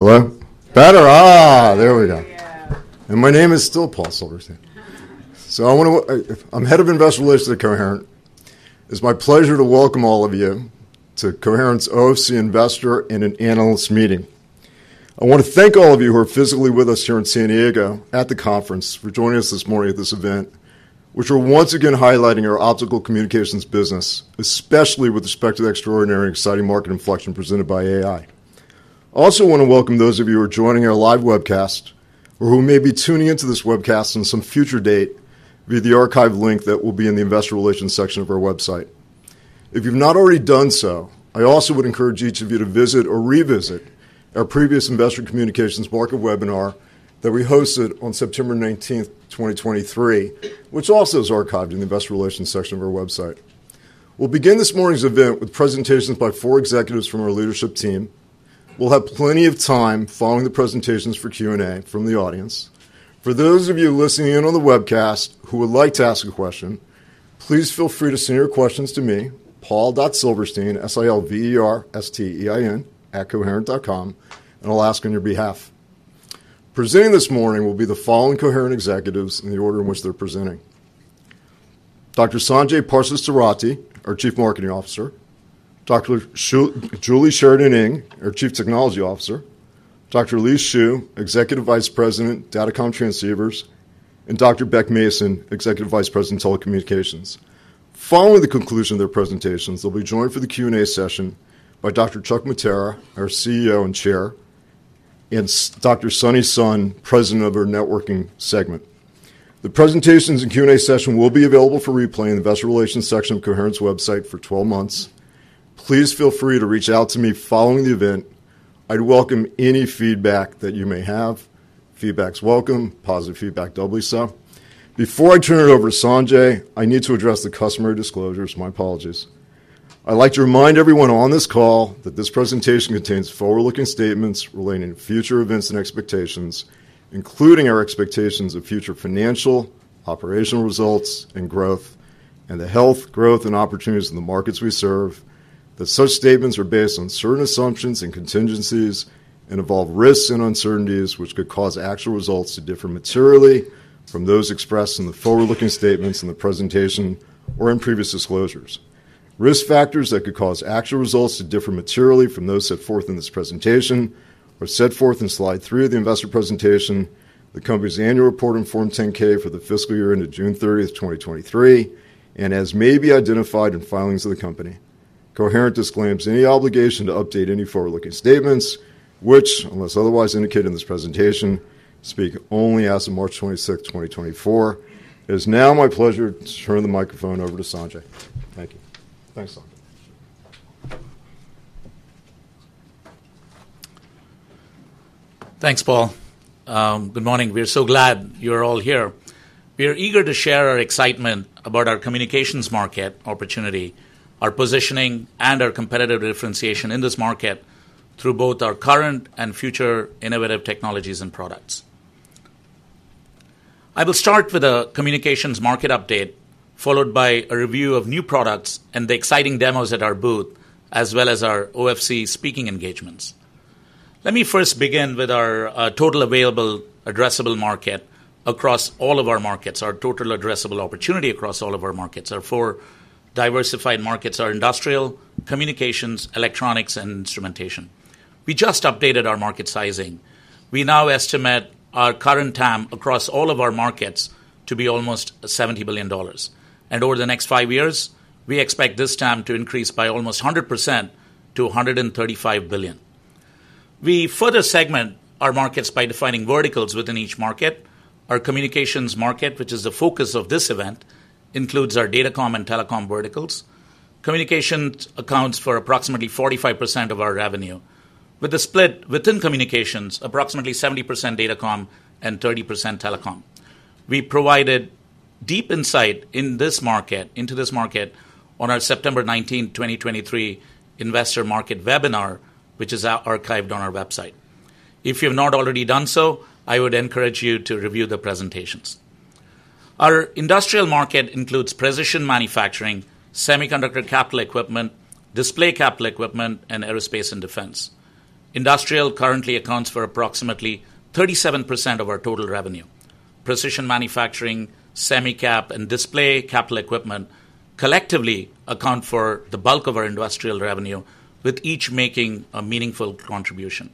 Hello? Better. Ah, there we go. Yeah. My name is still Paul Silverstein. So I want to, I'm Head of Investor Relations at Coherent. It's my pleasure to welcome all of you to Coherent's OFC Investor and Analyst Meeting. I want to thank all of you who are physically with us here in San Diego at the conference for joining us this morning at this event, which we're once again highlighting our optical communications business, especially with respect to the extraordinary exciting market inflection presented by AI. I also want to welcome those of you who are joining our live webcast, or who may be tuning into this webcast on some future date via the archive link that will be in the investor relations section of our website. If you've not already done so, I also would encourage each of you to visit or revisit our previous Investor Communications Market webinar that we hosted on September 19th, 2023, which also is archived in the investor relations section of our website. We'll begin this morning's event with presentations by four executives from our leadership team. We'll have plenty of time following the presentations for Q&A from the audience. For those of you listening in on the webcast who would like to ask a question, please feel free to send your questions to me, paul.silverstein, S-I-L-V-E-R-S-T-E-I-N, @coherent.com, and I'll ask on your behalf. Presenting this morning will be the following Coherent executives in the order in which they're presenting: Dr. Sanjai Parthasarathi, our Chief Marketing Officer, Dr. Julie Sheridan Eng, our Chief Technology Officer, Dr. Lee Xu, Executive Vice President, Datacom Transceivers. Dr. Beck Mason, Executive Vice President, Telecommunications. Following the conclusion of their presentations, they'll be joined for the Q&A session by Dr. Chuck Mattera, our CEO and Chair, and Dr. Sunny Sun, President of our Networking segment. The presentations and Q&A session will be available for replay in the Investor Relations section of Coherent's website for 12 months. Please feel free to reach out to me following the event. I'd welcome any feedback that you may have. Feedback's welcome, positive feedback, doubly so. Before I turn it over to Sanjai, I need to address the customer disclosures. My apologies. I'd like to remind everyone on this call that this presentation contains forward-looking statements relating to future events and expectations, including our expectations of future financial, operational results and growth, and the health, growth, and opportunities in the markets we serve. That such statements are based on certain assumptions and contingencies, and involve risks and uncertainties, which could cause actual results to differ materially from those expressed in the forward-looking statements in the presentation or in previous disclosures. Risk factors that could cause actual results to differ materially from those set forth in this presentation are set forth in slide three of the investor presentation, the company's annual report, and Form 10-K for the fiscal year ended June 30, 2023, and as may be identified in filings of the company. Coherent disclaims any obligation to update any forward-looking statements, which, unless otherwise indicated in this presentation, speak only as of March 26, 2024. It is now my pleasure to turn the microphone over to Sanjai. Thank you. Thanks, Sanjai. Thanks, Paul. Good morning. We are so glad you're all here. We are eager to share our excitement about our communications market opportunity, our positioning, and our competitive differentiation in this market through both our current and future innovative technologies and products. I will start with a communications market update, followed by a review of new products and the exciting demos at our booth, as well as our OFC speaking engagements. Let me first begin with our total available addressable market across all of our markets, our total addressable opportunity across all of our markets. Our four diversified markets are industrial, communications, electronics, and instrumentation. We just updated our market sizing. We now estimate our current TAM across all of our markets to be almost $70 billion, and over the next five years, we expect this TAM to increase by almost 100% to $135 billion. We further segment our markets by defining verticals within each market. Our communications market, which is the focus of this event, includes our Datacom and Telecom verticals. Communications accounts for approximately 45% of our revenue, with a split within communications, approximately 70% Datacom and 30% Telecom. We provided deep insight into this market on our September 19, 2023, Investor Market webinar, which is out, archived on our website. If you've not already done so, I would encourage you to review the presentations. Our industrial market includes precision manufacturing, semiconductor capital equipment, display capital equipment, and aerospace and defense. Industrial currently accounts for approximately 37% of our total revenue. Precision manufacturing, semicap, and display capital equipment collectively account for the bulk of our industrial revenue, with each making a meaningful contribution.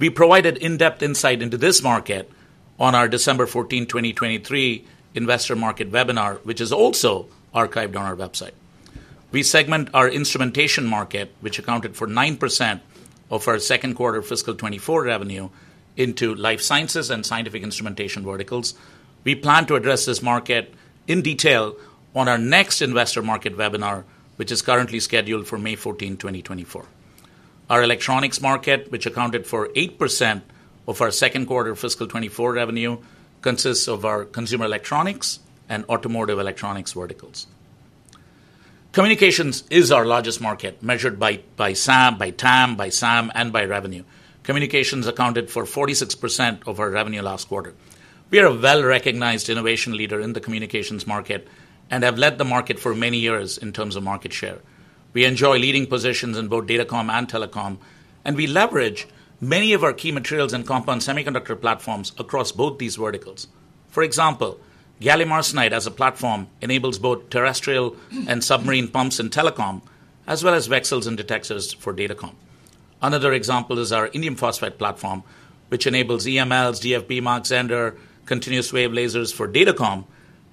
We provided in-depth insight into this market on our December 14, 2023, Investor Market webinar, which is also archived on our website. We segment our instrumentation market, which accounted for 9% of our second quarter fiscal 2024 revenue into life sciences and scientific instrumentation verticals. We plan to address this market in detail on our next Investor Market webinar, which is currently scheduled for May 14, 2024. Our electronics market, which accounted for 8% of our second quarter fiscal 2024 revenue, consists of our consumer electronics and automotive electronics verticals. Communications is our largest market, measured by, by SAM, by TAM, by SAM, and by revenue. Communications accounted for 46% of our revenue last quarter. We are a well-recognized innovation leader in the communications market and have led the market for many years in terms of market share. We enjoy leading positions in both Datacom and Telecom, and we leverage many of our key materials and compound semiconductor platforms across both these verticals. For example, gallium arsenide as a platform enables both terrestrial and submarine pumps in Telecom, as well as VCSELs and detectors for Datacom. Another example is our indium phosphide platform, which enables EMLs, DFB modulator, continuous wave lasers for Datacom,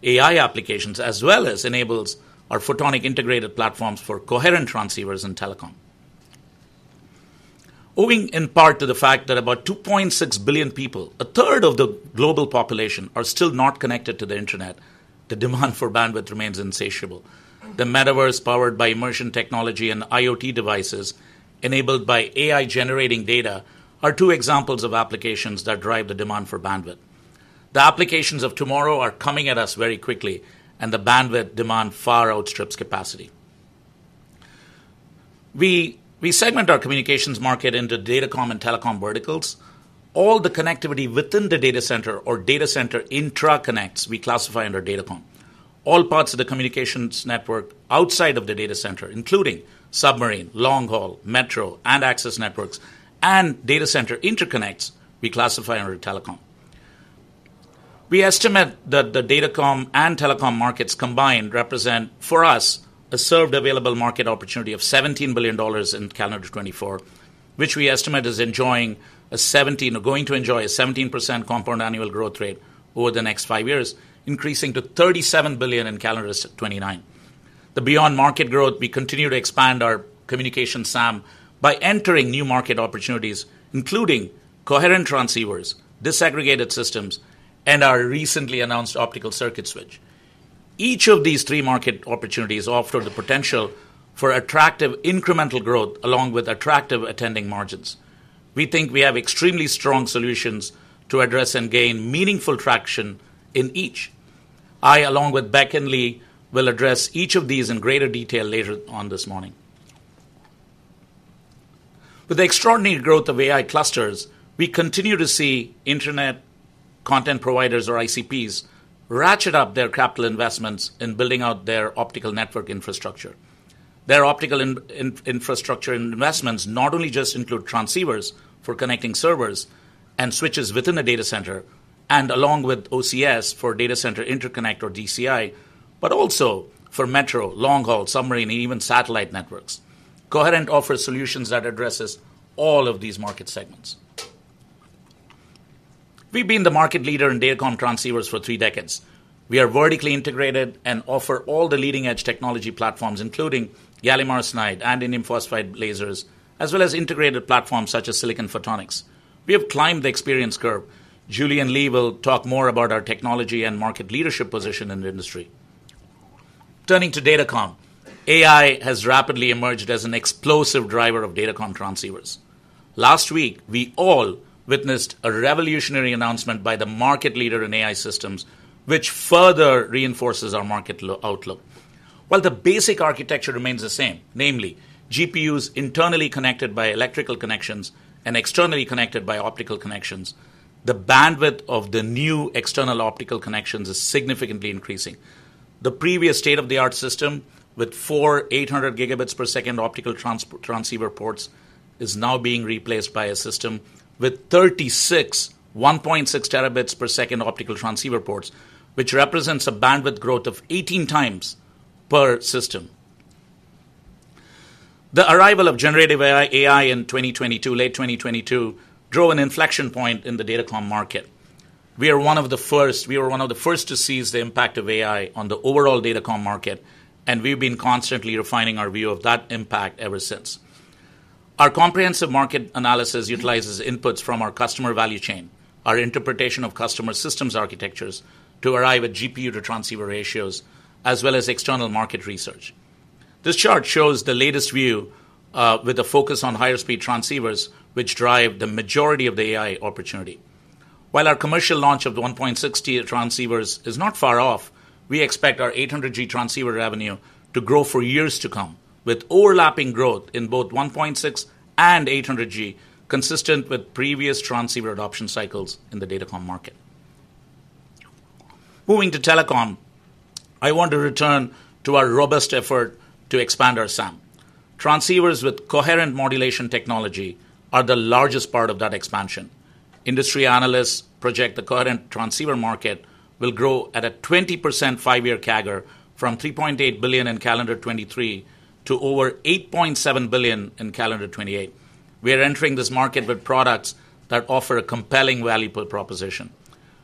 AI applications, as well as enables our photonic integrated platforms for coherent transceivers in Telecom. Owing in part to the fact that about 2.6 billion people, a 1/3 of the global population, are still not connected to the internet, the demand for bandwidth remains insatiable. The metaverse, powered by immersion technology and IoT devices, enabled by AI-generating data, are two examples of applications that drive the demand for bandwidth. The applications of tomorrow are coming at us very quickly, and the bandwidth demand far outstrips capacity. We segment our communications market into Datacom and Telecom verticals. All the connectivity within the data center or data center intraconnects, we classify under Datacom. All parts of the communications network outside of the data center, including submarine, long-haul, metro, and access networks and data center interconnects, we classify under Telecom. We estimate that the Datacom and Telecom markets combined represent, for us, a served available market opportunity of $17 billion in calendar 2024, which we estimate is enjoying a 17% or going to enjoy a 17% compound annual growth rate over the next five years, increasing to $37 billion in calendar 2029. The beyond market growth, we continue to expand our communication SAM by entering new market opportunities, including coherent transceivers, disaggregated systems, and our recently announced optical circuit switch. Each of these three market opportunities offer the potential for attractive incremental growth along with attractive attending margins. We think we have extremely strong solutions to address and gain meaningful traction in each. I, along with Beck and Lee, will address each of these in greater detail later on this morning. With the extraordinary growth of AI clusters, we continue to see internet content providers, or ICPs, ratchet up their capital investments in building out their optical network infrastructure. Their optical infrastructure investments not only just include transceivers for connecting servers and switches within the data center and along with OCS for data center interconnect or DCI, but also for metro, long-haul, submarine, and even satellite networks. Coherent offers solutions that address all of these market segments. We've been the market leader in Datacom transceivers for three decades. We are vertically integrated and offer all the leading-edge technology platforms, including gallium arsenide and indium phosphide lasers, as well as integrated platforms such as silicon photonics. We have climbed the experience curve. Julie and Lee will talk more about our technology and market leadership position in the industry. Turning to Datacom, AI has rapidly emerged as an explosive driver of Datacom transceivers. Last week, we all witnessed a revolutionary announcement by the market leader in AI systems, which further reinforces our market outlook. While the basic architecture remains the same, namely GPUs internally connected by electrical connections and externally connected by optical connections, the bandwidth of the new external optical connections is significantly increasing. The previous state-of-the-art system, with four 800 Gbps optical transceiver ports, is now being replaced by a system with 36 1.6 Tbps optical transceiver ports, which represents a bandwidth growth of 18x per system. The arrival of generative AI, AI in 2022, late 2022, drove an inflection point in the Datacom market. We are one of the first-- We were one of the first to seize the impact of AI on the overall Datacom market, and we've been constantly refining our view of that impact ever since. Our comprehensive market analysis utilizes inputs from our customer value chain, our interpretation of customer systems architectures to arrive at GPU-to-transceiver ratios, as well as external market research. This chart shows the latest view, with a focus on higher speed transceivers, which drive the majority of the AI opportunity. While our commercial launch of the 1.6T transceiver is not far off, we expect our 800G transceiver revenue to grow for years to come, with overlapping growth in both 1.6 and 800G, consistent with previous transceiver adoption cycles in the Datacom market. Moving to Telecom, I want to return to our robust effort to expand our SAM. Transceivers with coherent modulation technology are the largest part of that expansion. Industry analysts project the current transceiver market will grow at a 20% five-year CAGR from $3.8 billion in calendar 2023 to over $8.7 billion in calendar 2028. We are entering this market with products that offer a compelling value proposition.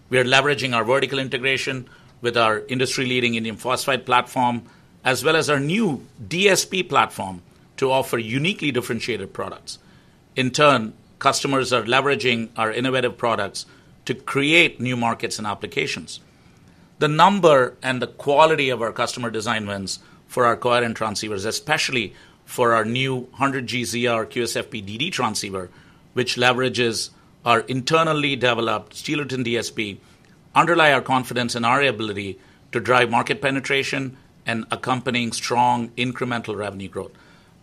We are leveraging our vertical integration with our industry-leading indium phosphide platform, as well as our new DSP platform, to offer uniquely differentiated products. In turn, customers are leveraging our innovative products to create new markets and applications. The number and the quality of our customer design wins for our coherent transceivers, especially for our new 100G ZR QSFP-DD transceiver, which leverages our internally developed Steelerton DSP, underlie our confidence in our ability to drive market penetration and accompanying strong incremental revenue growth.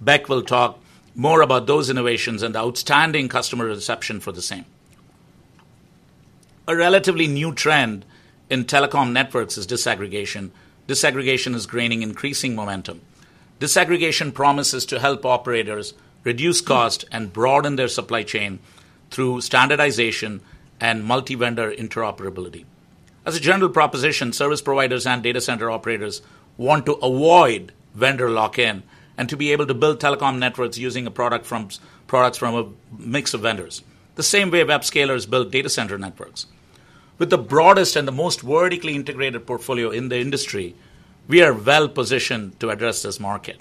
Beck will talk more about those innovations and outstanding customer reception for the same. A relatively new trend in Telecom networks is disaggregation. Disaggregation is gaining increasing momentum. Disaggregation promises to help operators reduce cost and broaden their supply chain through standardization and multi-vendor interoperability. As a general proposition, service providers and data center operators want to avoid vendor lock-in and to be able to build Telecom networks using products from a mix of vendors, the same way web scalers build data center networks. With the broadest and the most vertically integrated portfolio in the industry, we are well positioned to address this market.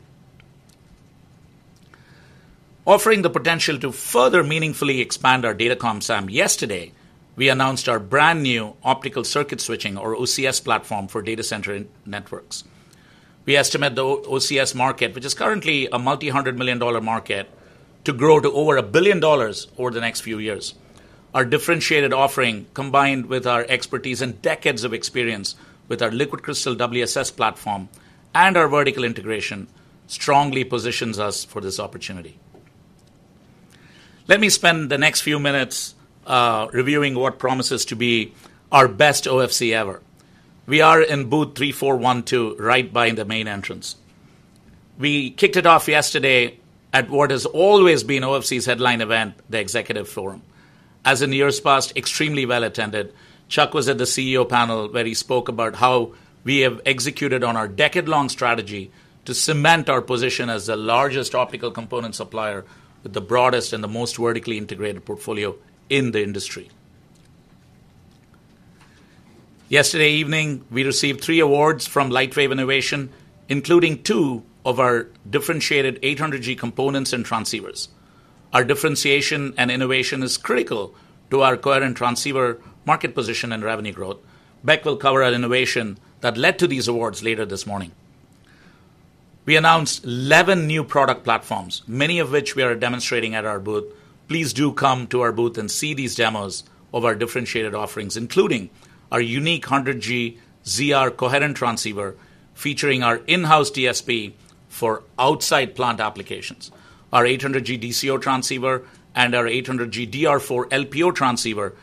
Offering the potential to further meaningfully expand our Datacom SAM, yesterday, we announced our brand-new optical circuit switching, or OCS, platform for data center networks. We estimate the OCS market, which is currently a multi-hundred million dollar market, to grow to over a billion dollars over the next few years. Our differentiated offering, combined with our expertise and decades of experience with our liquid crystal WSS platform and our vertical integration, strongly positions us for this opportunity. Let me spend the next few minutes reviewing what promises to be our best OFC ever. We are in booth 3412, right by the main entrance. We kicked it off yesterday at what has always been OFC's headline event, the Executive Forum. As in years past, extremely well attended. Chuck was at the CEO panel, where he spoke about how we have executed on our decade-long strategy to cement our position as the largest optical component supplier with the broadest and the most vertically integrated portfolio in the industry. Yesterday evening, we received three awards from Lightwave Innovation, including two of our differentiated 800G components and transceivers. Our differentiation and innovation is critical to our coherent transceiver market position and revenue growth. Beck will cover our innovation that led to these awards later this morning. We announced 11 new product platforms, many of which we are demonstrating at our booth. Please do come to our booth and see these demos of our differentiated offerings, including our unique 100G ZR coherent transceiver, featuring our in-house DSP for outside plant applications, our 800G DCO transceiver, and our 800G DR4 LPO transceiver,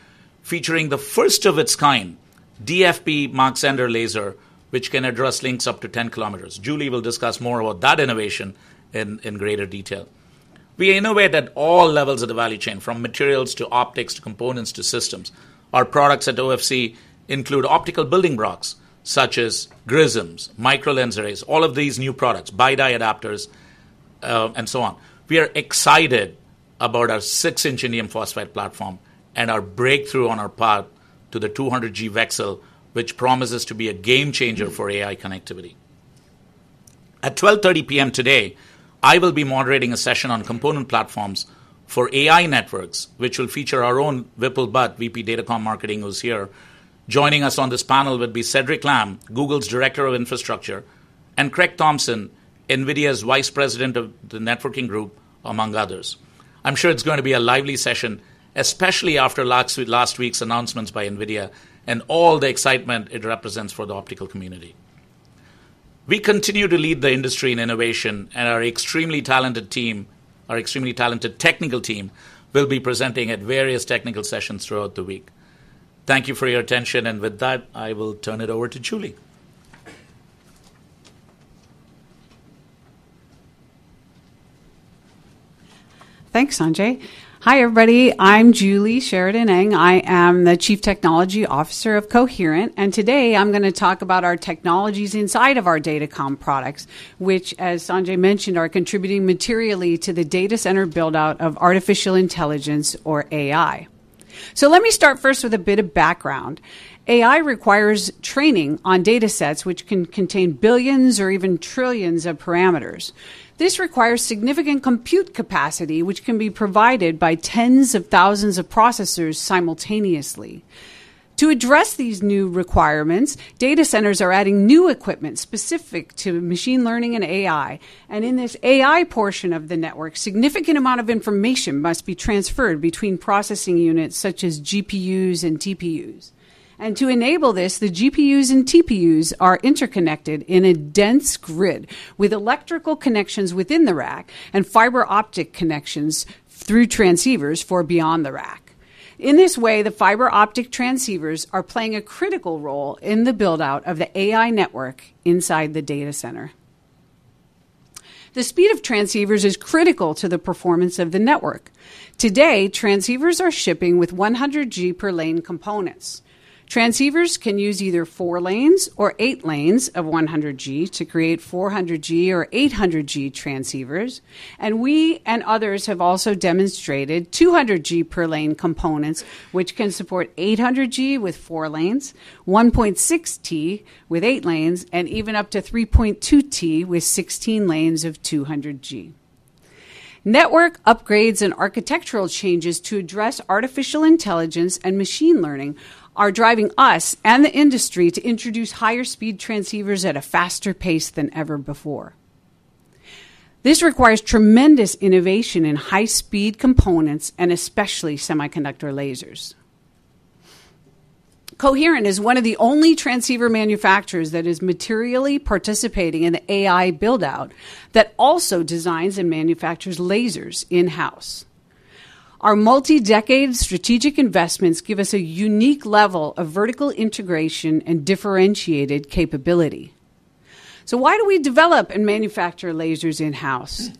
featuring the first of its kind, DFB Mach-Zehnder laser, which can address links up to 10 km. Julie will discuss more about that innovation in greater detail. We innovate at all levels of the value chain, from materials to optics, to components, to systems. Our products at OFC include optical building blocks, such as grisms, microlens arrays, all of these new products, BiDi adapters, and so on. We are excited about our six-inch indium phosphide platform and our breakthrough on our path to the 200G VCSEL, which promises to be a game changer for AI connectivity. At 12:30 P.M. today, I will be moderating a session on component platforms for AI networks, which will feature our own Vipul Bhatt, VP Datacom Marketing, who's here. Joining us on this panel will be Cedric Lam, Google's Director of Infrastructure, and Craig Thompson, NVIDIA's Vice President of the Networking Group, among others. I'm sure it's going to be a lively session, especially after last, last week's announcements by NVIDIA and all the excitement it represents for the optical community. We continue to lead the industry in innovation, and our extremely talented team, our extremely talented technical team, will be presenting at various technical sessions throughout the week. Thank you for your attention, and with that, I will turn it over to Julie. Thanks, Sanjai. Hi, everybody. I'm Julie Sheridan Eng. I am the Chief Technology Officer of Coherent, and today I'm going to talk about our technologies inside of our Datacom products, which, as Sanjai mentioned, are contributing materially to the data center build-out of artificial intelligence or AI. So let me start first with a bit of background. AI requires training on data sets, which can contain billions or even trillions of parameters. This requires significant compute capacity, which can be provided by tens of thousands of processors simultaneously. To address these new requirements, data centers are adding new equipment specific to machine learning and AI, and in this AI portion of the network, significant amount of information must be transferred between processing units such as GPUs and TPUs. To enable this, the GPUs and TPUs are interconnected in a dense grid with electrical connections within the rack and fiber optic connections through transceivers for beyond the rack. In this way, the fiber optic transceivers are playing a critical role in the build-out of the AI network inside the data center. The speed of transceivers is critical to the performance of the network. Today, transceivers are shipping with 100G per lane components. Transceivers can use either four lanes or eight lanes of 100G to create 400G or 800G transceivers. We and others have also demonstrated 200G per lane components, which can support 800G with four lanes, 1.6T with eight lanes, and even up to 3.2T with 16 lanes of 200G. Network upgrades and architectural changes to address artificial intelligence and machine learning are driving us and the industry to introduce higher speed transceivers at a faster pace than ever before. This requires tremendous innovation in high-speed components and especially semiconductor lasers. Coherent is one of the only transceiver manufacturers that is materially participating in the AI build-out that also designs and manufactures lasers in-house. Our multi-decade strategic investments give us a unique level of vertical integration and differentiated capability. Why do we develop and manufacture lasers in-house?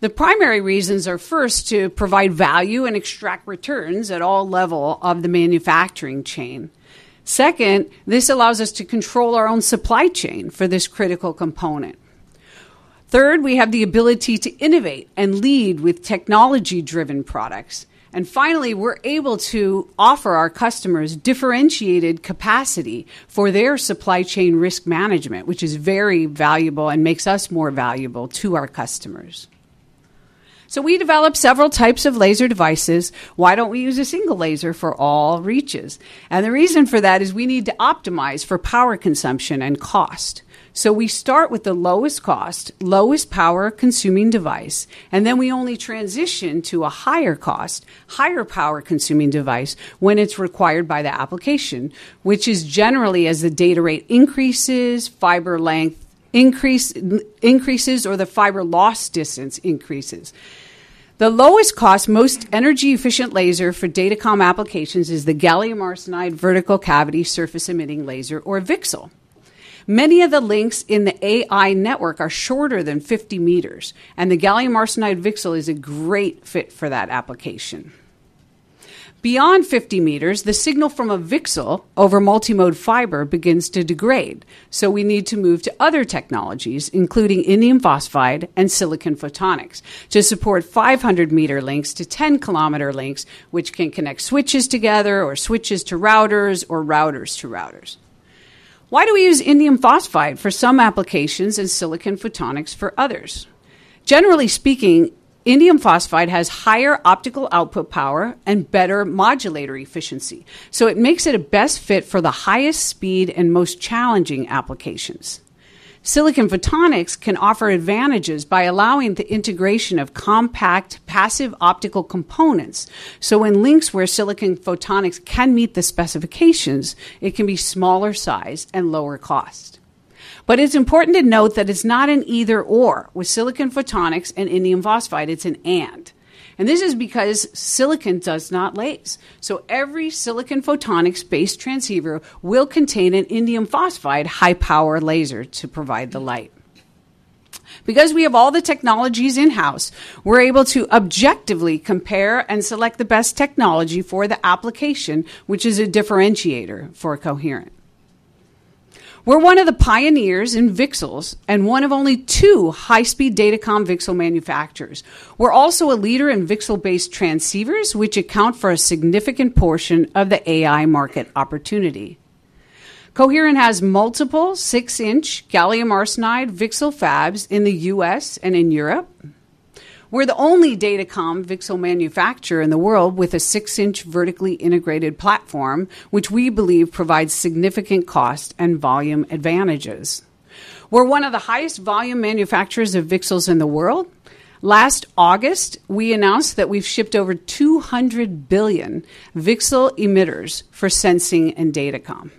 The primary reasons are, first, to provide value and extract returns at all levels of the manufacturing chain. Second, this allows us to control our own supply chain for this critical component. Third, we have the ability to innovate and lead with technology-driven products. Finally, we're able to offer our customers differentiated capacity for their supply chain risk management, which is very valuable and makes us more valuable to our customers. We develop several types of laser devices. Why don't we use a single laser for all reaches? And the reason for that is we need to optimize for power consumption and cost. So we start with the lowest cost, lowest power-consuming device, and then we only transition to a higher cost, higher power-consuming device when it's required by the application, which is generally as the data rate increases, fiber length increases, or the fiber loss distance increases. The lowest cost, most energy-efficient laser for Datacom applications is the gallium arsenide Vertical Cavity Surface Emitting Laser or VCSEL. Many of the links in the AI network are shorter than 50 m, and the gallium arsenide VCSEL is a great fit for that application. Beyond 50 m, the signal from a VCSEL over multimode fiber begins to degrade, so we need to move to other technologies, including indium phosphide and silicon photonics, to support 500 m links to 10 km links, which can connect switches together, or switches to routers, or routers to routers. Why do we use indium phosphide for some applications and silicon photonics for others? Generally speaking, indium phosphide has higher optical output power and better modulator efficiency, so it makes it a best fit for the highest speed and most challenging applications. silicon photonics can offer advantages by allowing the integration of compact, passive optical components. So in links where silicon photonics can meet the specifications, it can be smaller size and lower cost. It's important to note that it's not an either/or with silicon photonics and indium phosphide, it's an and. This is because silicon does not lase, so every silicon photonics-based transceiver will contain an indium phosphide high-power laser to provide the light. Because we have all the technologies in-house, we're able to objectively compare and select the best technology for the application, which is a differentiator for Coherent. We're one of the pioneers in VCSELs and one of only two high-speed Datacom VCSEL manufacturers. We're also a leader in VCSEL-based transceivers, which account for a significant portion of the AI market opportunity. Coherent has multiple six-inch gallium arsenide VCSEL fabs in the U.S. and in Europe. We're the only Datacom VCSEL manufacturer in the world with a six-inch vertically integrated platform, which we believe provides significant cost and volume advantages. We're one of the highest volume manufacturers of VCSELs in the world. Last August, we announced that we've shipped over 200 billion VCSEL emitters for Sensing and Datacom.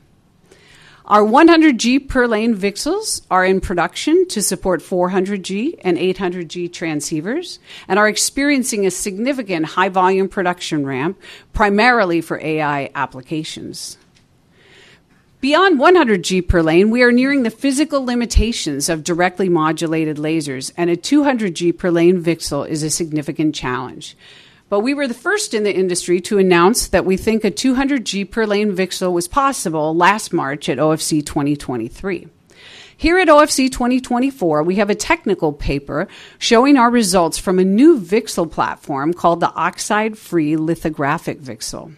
Our 100G per lane VCSELs are in production to support 400G and 800G transceivers and are experiencing a significant high-volume production ramp, primarily for AI applications. Beyond 100G per lane, we are nearing the physical limitations of directly modulated lasers, and a 200G per lane VCSEL is a significant challenge. But we were the first in the industry to announce that we think a 200G per lane VCSEL was possible last March at OFC 2023. Here at OFC 2024, we have a technical paper showing our results from a new VCSEL platform called the Oxide-Free Lithographic VCSEL.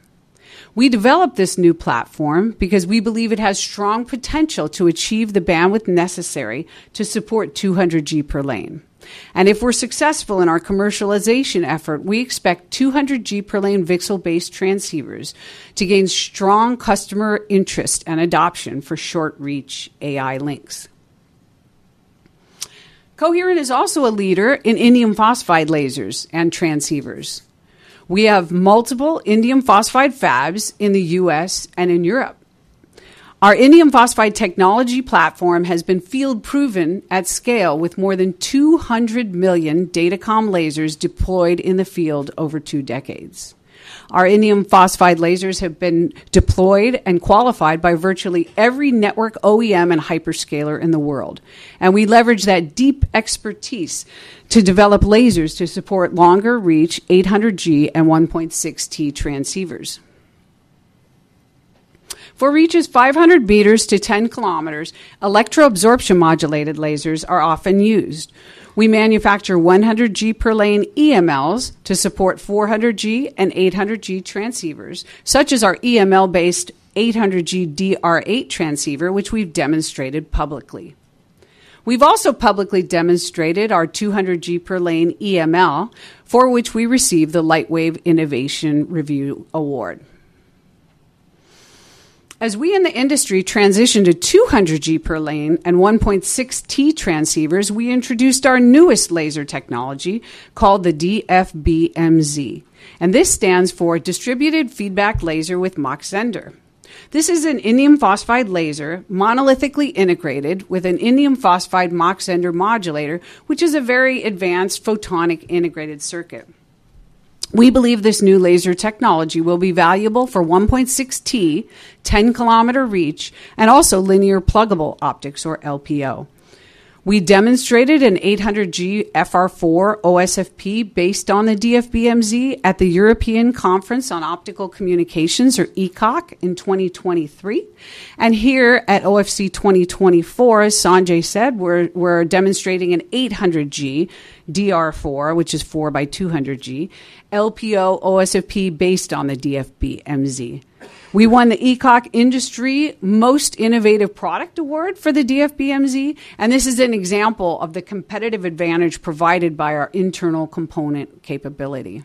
We developed this new platform because we believe it has strong potential to achieve the bandwidth necessary to support 200G per lane. If we're successful in our commercialization effort, we expect 200G per lane VCSEL-based transceivers to gain strong customer interest and adoption for short-reach AI links. Coherent is also a leader in indium phosphide lasers and transceivers. We have multiple indium phosphide fabs in the U.S. and in Europe. Our indium phosphide technology platform has been field-proven at scale, with more than 200 million Datacom lasers deployed in the field over two decades. Our indium phosphide lasers have been deployed and qualified by virtually every network OEM and hyperscaler in the world, and we leverage that deep expertise to develop lasers to support longer-reach 800G and 1.6T transceivers. For reaches 500 m to 10 km, electroabsorption modulated lasers are often used. We manufacture 100G per lane EMLs to support 400G and 800G transceivers, such as our EML-based 800G DR8 transceiver, which we've demonstrated publicly. We've also publicly demonstrated our 200G per lane EML, for which we received the Lightwave Innovation Reviews Award. As we in the industry transition to 200G per lane and 1.6T transceivers, we introduced our newest laser technology, called the DFB-MZ, and this stands for Distributed Feedback Laser with Mach-Zehnder. This is an indium phosphide laser, monolithically integrated with an indium phosphide Mach-Zehnder modulator, which is a very advanced photonic integrated circuit. We believe this new laser technology will be valuable for 1.6T, 10 km reach, and also linear pluggable optics, or LPO. We demonstrated an 800G FR4 OSFP based on the DFB-MZ at the European Conference on Optical Communications, or ECOC, in 2023, and here at OFC 2024, as Sanjai said, we're demonstrating an 800G DR4, which is four by 200G, LPO OSFP based on the DFB-MZ. We won the ECOC Industry Most Innovative Product Award for the DFB-MZ, and this is an example of the competitive advantage provided by our internal component capability.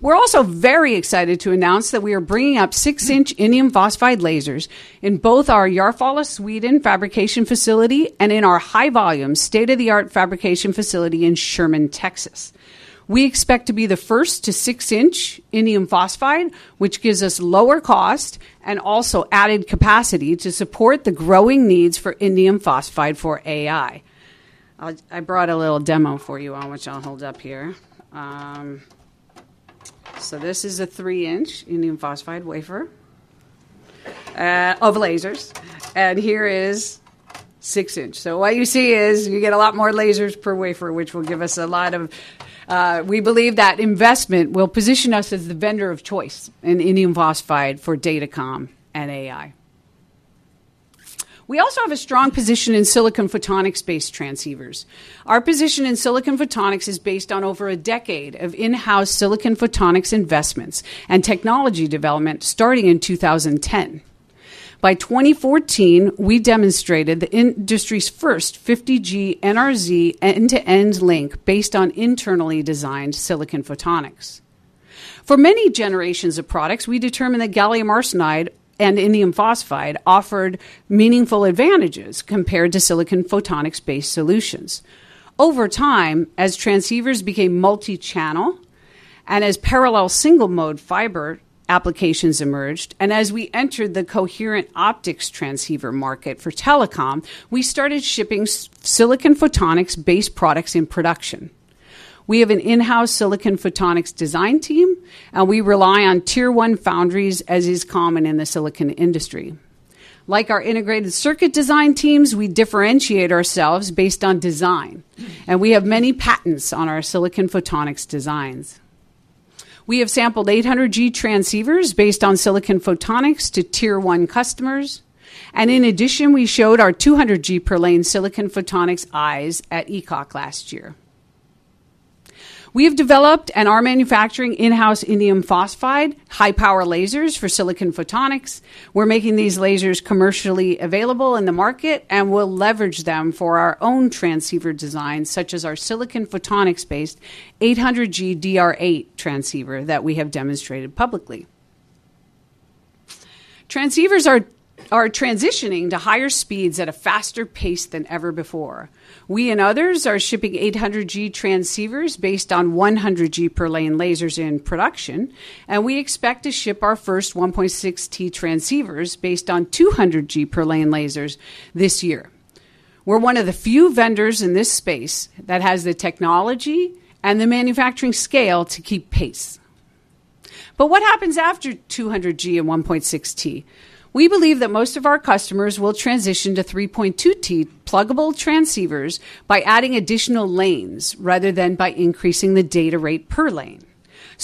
We're also very excited to announce that we are bringing up six-inch indium phosphide lasers in both our Järfälla, Sweden, fabrication facility and in our high-volume, state-of-the-art fabrication facility in Sherman, Texas. We expect to be the first to six-inch indium phosphide, which gives us lower cost and also added capacity to support the growing needs for indium phosphide for AI. I brought a little demo for you all, which I'll hold up here. So this is a three-inch indium phosphide wafer of lasers, and here is six-inch. So what you see is, you get a lot more lasers per wafer, which will give us a lot of. We believe that investment will position us as the vendor of choice in indium phosphide for Datacom and AI. We also have a strong position in silicon photonics-based transceivers. Our position in silicon photonics is based on over a decade of in-house silicon photonics investments and technology development starting in 2010. By 2014, we demonstrated the industry's first 50G NRZ end-to-end link based on internally designed silicon photonics. For many generations of products, we determined that gallium arsenide and indium phosphide offered meaningful advantages compared to silicon photonics-based solutions. Over time, as transceivers became multi-channel and as parallel single-mode fiber applications emerged, and as we entered the coherent optics transceiver market for Telecom, we started shipping silicon photonics-based products in production. We have an in-house silicon photonics design team, and we rely on tier-one foundries, as is common in the silicon industry. Like our integrated circuit design teams, we differentiate ourselves based on design, and we have many patents on our silicon photonics designs. We have sampled 800G transceivers based on silicon photonics to tier one customers, and in addition, we showed our 200G per lane silicon photonics eyes at ECOC last year. We have developed and are manufacturing in-house indium phosphide, high-power lasers for silicon photonics. We're making these lasers commercially available in the market, and we'll leverage them for our own transceiver designs, such as our silicon photonics-based 800G DR8 transceiver that we have demonstrated publicly. Transceivers are transitioning to higher speeds at a faster pace than ever before. We and others are shipping 800G transceivers based on 100G per lane lasers in production, and we expect to ship our first 1.6T transceivers based on 200G per lane lasers this year. We're one of the few vendors in this space that has the technology and the manufacturing scale to keep pace. But what happens after 200G and 1.6T? We believe that most of our customers will transition to 3.2T pluggable transceivers by adding additional lanes, rather than by increasing the data rate per lane.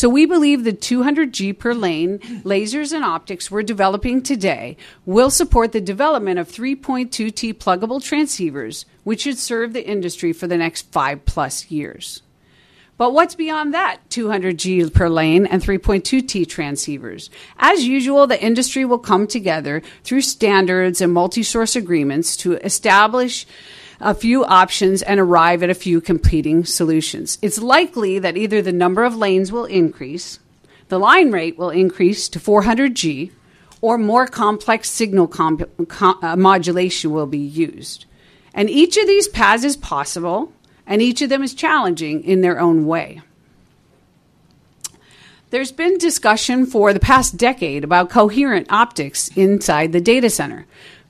We believe the 200G per lane lasers and optics we're developing today will support the development of 3.2T pluggable transceivers, which should serve the industry for the next five plus years. But what's beyond that 200G per lane and 3.2T transceivers? As usual, the industry will come together through standards and multi-source agreements to establish a few options and arrive at a few competing solutions. It's likely that either the number of lanes will increase, the line rate will increase to 400G, or more complex signal modulation will be used, and each of these paths is possible, and each of them is challenging in their own way. There's been discussion for the past decade about coherent optics inside the data center.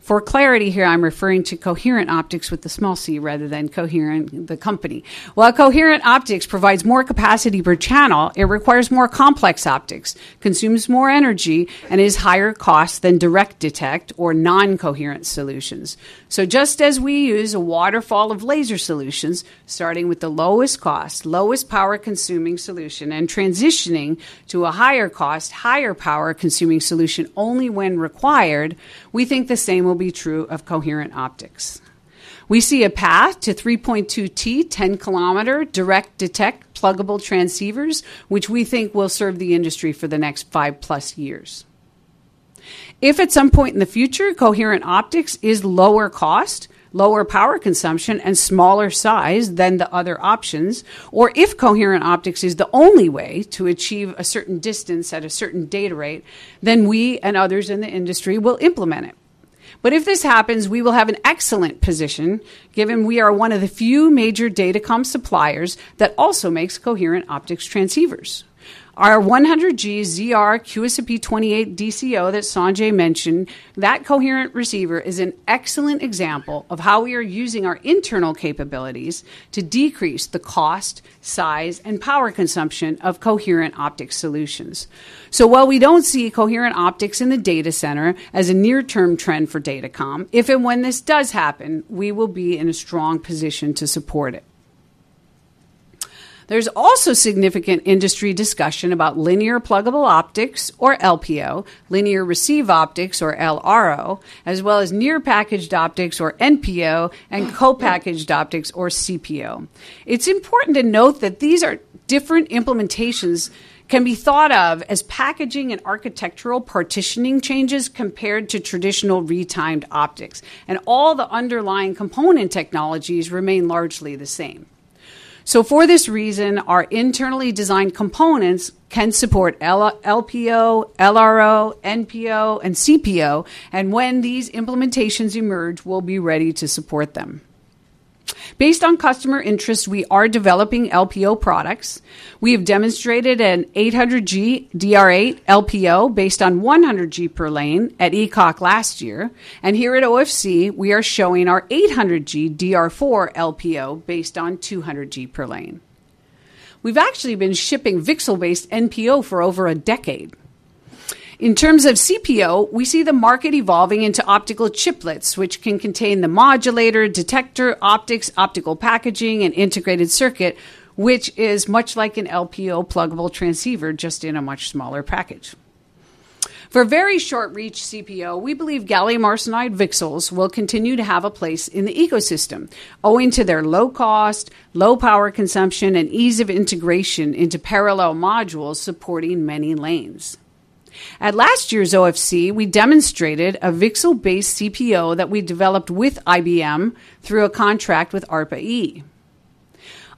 For clarity here, I'm referring to coherent optics with a small C, rather than coherent, the company. While coherent optics provides more capacity per channel, it requires more complex optics, consumes more energy, and is higher cost than direct detect or non-coherent solutions. So just as we use a waterfall of laser solutions, starting with the lowest cost, lowest power-consuming solution, and transitioning to a higher cost, higher power-consuming solution only when required, we think the same will be true of coherent optics. We see a path to 3.2T 10 km direct detect pluggable transceivers, which we think will serve the industry for the next five plus years. If at some point in the future, coherent optics is lower cost, lower power consumption, and smaller size than the other options, or if coherent optics is the only way to achieve a certain distance at a certain data rate, then we and others in the industry will implement it. But if this happens, we will have an excellent position, given we are one of the few major Datacom suppliers that also makes coherent optics transceivers. Our 100G ZR QSFP28 DCO that Sanjai mentioned, that coherent receiver is an excellent example of how we are using our internal capabilities to decrease the cost, size, and power consumption of coherent optics solutions. So while we don't see coherent optics in the data center as a near-term trend for Datacom, if and when this does happen, we will be in a strong position to support it. There's also significant industry discussion about linear pluggable optics or LPO, linear receive optics or LRO, as well as near packaged optics or NPO, and co-packaged optics or CPO. It's important to note that these are different implementations, can be thought of as packaging and architectural partitioning changes compared to traditional retimed optics, and all the underlying component technologies remain largely the same. So for this reason, our internally designed components can support LPO, LRO, NPO, and CPO, and when these implementations emerge, we'll be ready to support them. Based on customer interest, we are developing LPO products. We have demonstrated an 800G DR8 LPO based on 100G per lane at ECOC last year, and here at OFC we are showing our 800G DR4 LPO based on 200G per lane. We've actually been shipping VCSEL-based NPO for over a decade. In terms of CPO, we see the market evolving into optical chiplets, which can contain the modulator, detector, optics, optical packaging, and integrated circuit, which is much like an LPO pluggable transceiver, just in a much smaller package. For very short reach CPO, we believe gallium arsenide VCSELs will continue to have a place in the ecosystem, owing to their low cost, low power consumption, and ease of integration into parallel modules supporting many lanes. At last year's OFC, we demonstrated a VCSEL-based CPO that we developed with IBM through a contract with ARPA-E.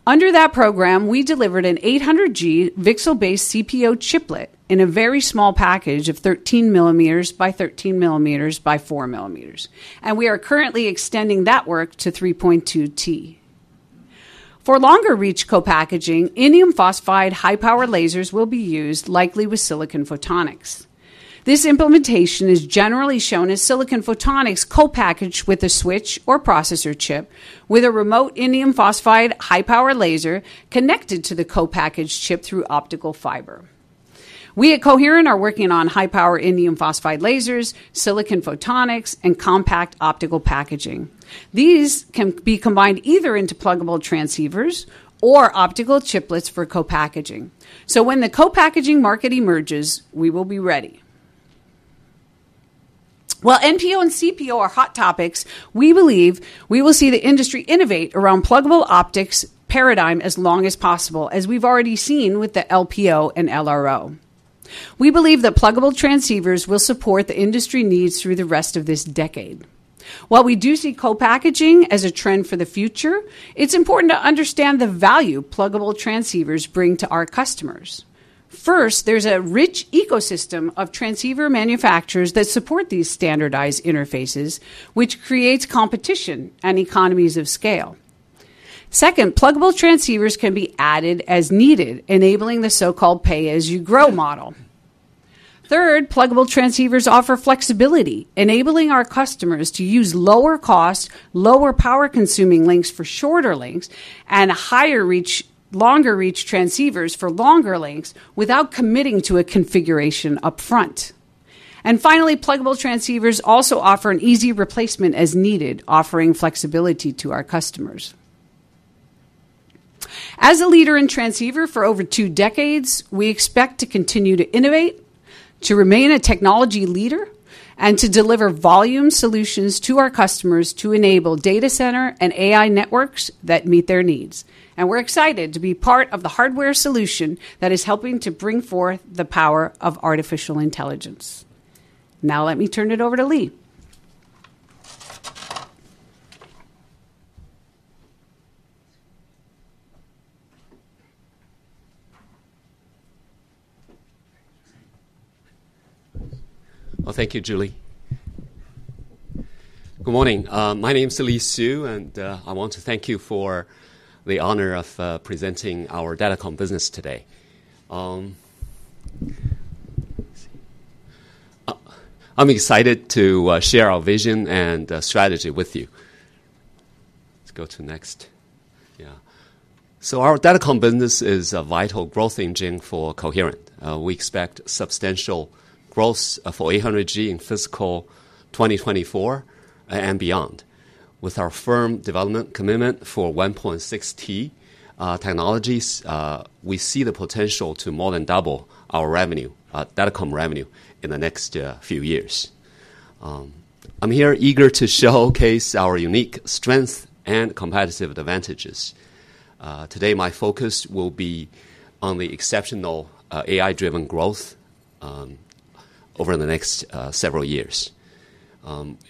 Under that program, we delivered an 800G VCSEL-based CPO chiplet in a very small package of 13 mm by 13 mm by 4 mm, and we are currently extending that work to 3.2T. For longer reach co-packaging, indium phosphide high-power lasers will be used, likely with silicon photonics. This implementation is generally shown as silicon photonics co-packaged with a switch or processor chip, with a remote indium phosphide high-power laser connected to the co-packaged chip through optical fiber. We at Coherent are working on high-power indium phosphide lasers, silicon photonics, and compact optical packaging. These can be combined either into pluggable transceivers or optical chiplets for co-packaging. When the co-packaging market emerges, we will be ready. While NPO and CPO are hot topics, we believe we will see the industry innovate around pluggable optics paradigm as long as possible, as we've already seen with the LPO and LRO. We believe that pluggable transceivers will support the industry needs through the rest of this decade. While we do see co-packaging as a trend for the future, it's important to understand the value pluggable transceivers bring to our customers. First, there's a rich ecosystem of transceiver manufacturers that support these standardized interfaces, which creates competition and economies of scale. Second, pluggable transceivers can be added as needed, enabling the so-called pay-as-you-grow model. Third, pluggable transceivers offer flexibility, enabling our customers to use lower cost, lower power-consuming links for shorter links, and higher reach, longer reach transceivers for longer links without committing to a configuration upfront. And finally, pluggable transceivers also offer an easy replacement as needed, offering flexibility to our customers. As a leader in transceiver for over two decades, we expect to continue to innovate, to remain a technology leader, and to deliver volume solutions to our customers to enable data center and AI networks that meet their needs. We're excited to be part of the hardware solution that is helping to bring forth the power of artificial intelligence. Now, let me turn it over to Lee. Well, thank you, Julie. Good morning. My name is Lee Xu, and I want to thank you for the honor of presenting our Datacom business today. I'm excited to share our vision and strategy with you. Let's go to next. Yeah. So our Datacom business is a vital growth engine for Coherent. We expect substantial growth for 800G in fiscal 2024 and beyond. With our firm development commitment for 1.6T technologies, we see the potential to more than double our revenue, Datacom revenue, in the next few years. I'm here eager to showcase our unique strengths and competitive advantages. Today, my focus will be on the exceptional AI-driven growth over the next several years.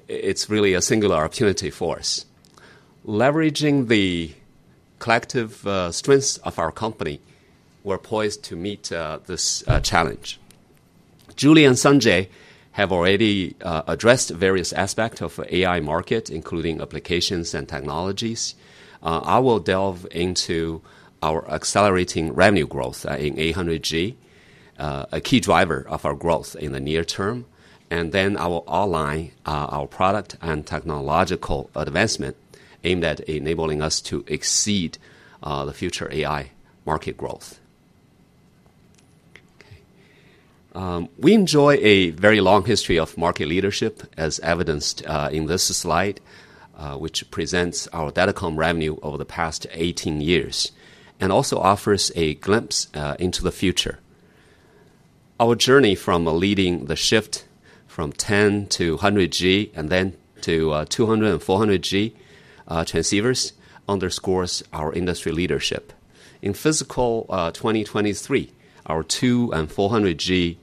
It's really a singular opportunity for us. Leveraging the collective strengths of our company, we're poised to meet this challenge. Julie and Sanjai have already addressed various aspects of the AI market, including applications and technologies. I will delve into our accelerating revenue growth in 800G, a key driver of our growth in the near term, and then I will outline our product and technological advancements aimed at enabling us to exceed the future AI market growth. Okay. We enjoy a very long history of market leadership, as evidenced in this slide, which presents our Datacom revenue over the past 18 years, and also offers a glimpse into the future. Our journey from leading the shift from 10G to 100G and then to 200G and 400G transceivers underscores our industry leadership. In fiscal 2023, our 200G and 400G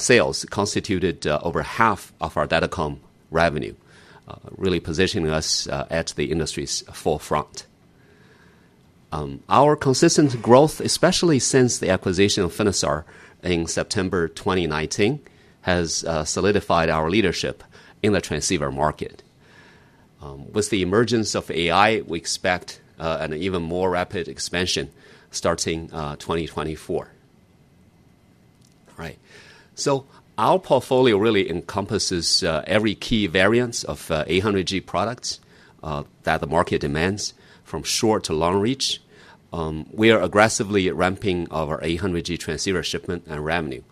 sales constituted over half of our Datacom revenue, really positioning us at the industry's forefront. Our consistent growth, especially since the acquisition of Finisar in September 2019, has solidified our leadership in the transceiver market. With the emergence of AI, we expect an even more rapid expansion starting 2024. All right. Our portfolio really encompasses every key variants of 800G products that the market demands, from short to long reach. We are aggressively ramping our 800G transceiver shipment and revenue.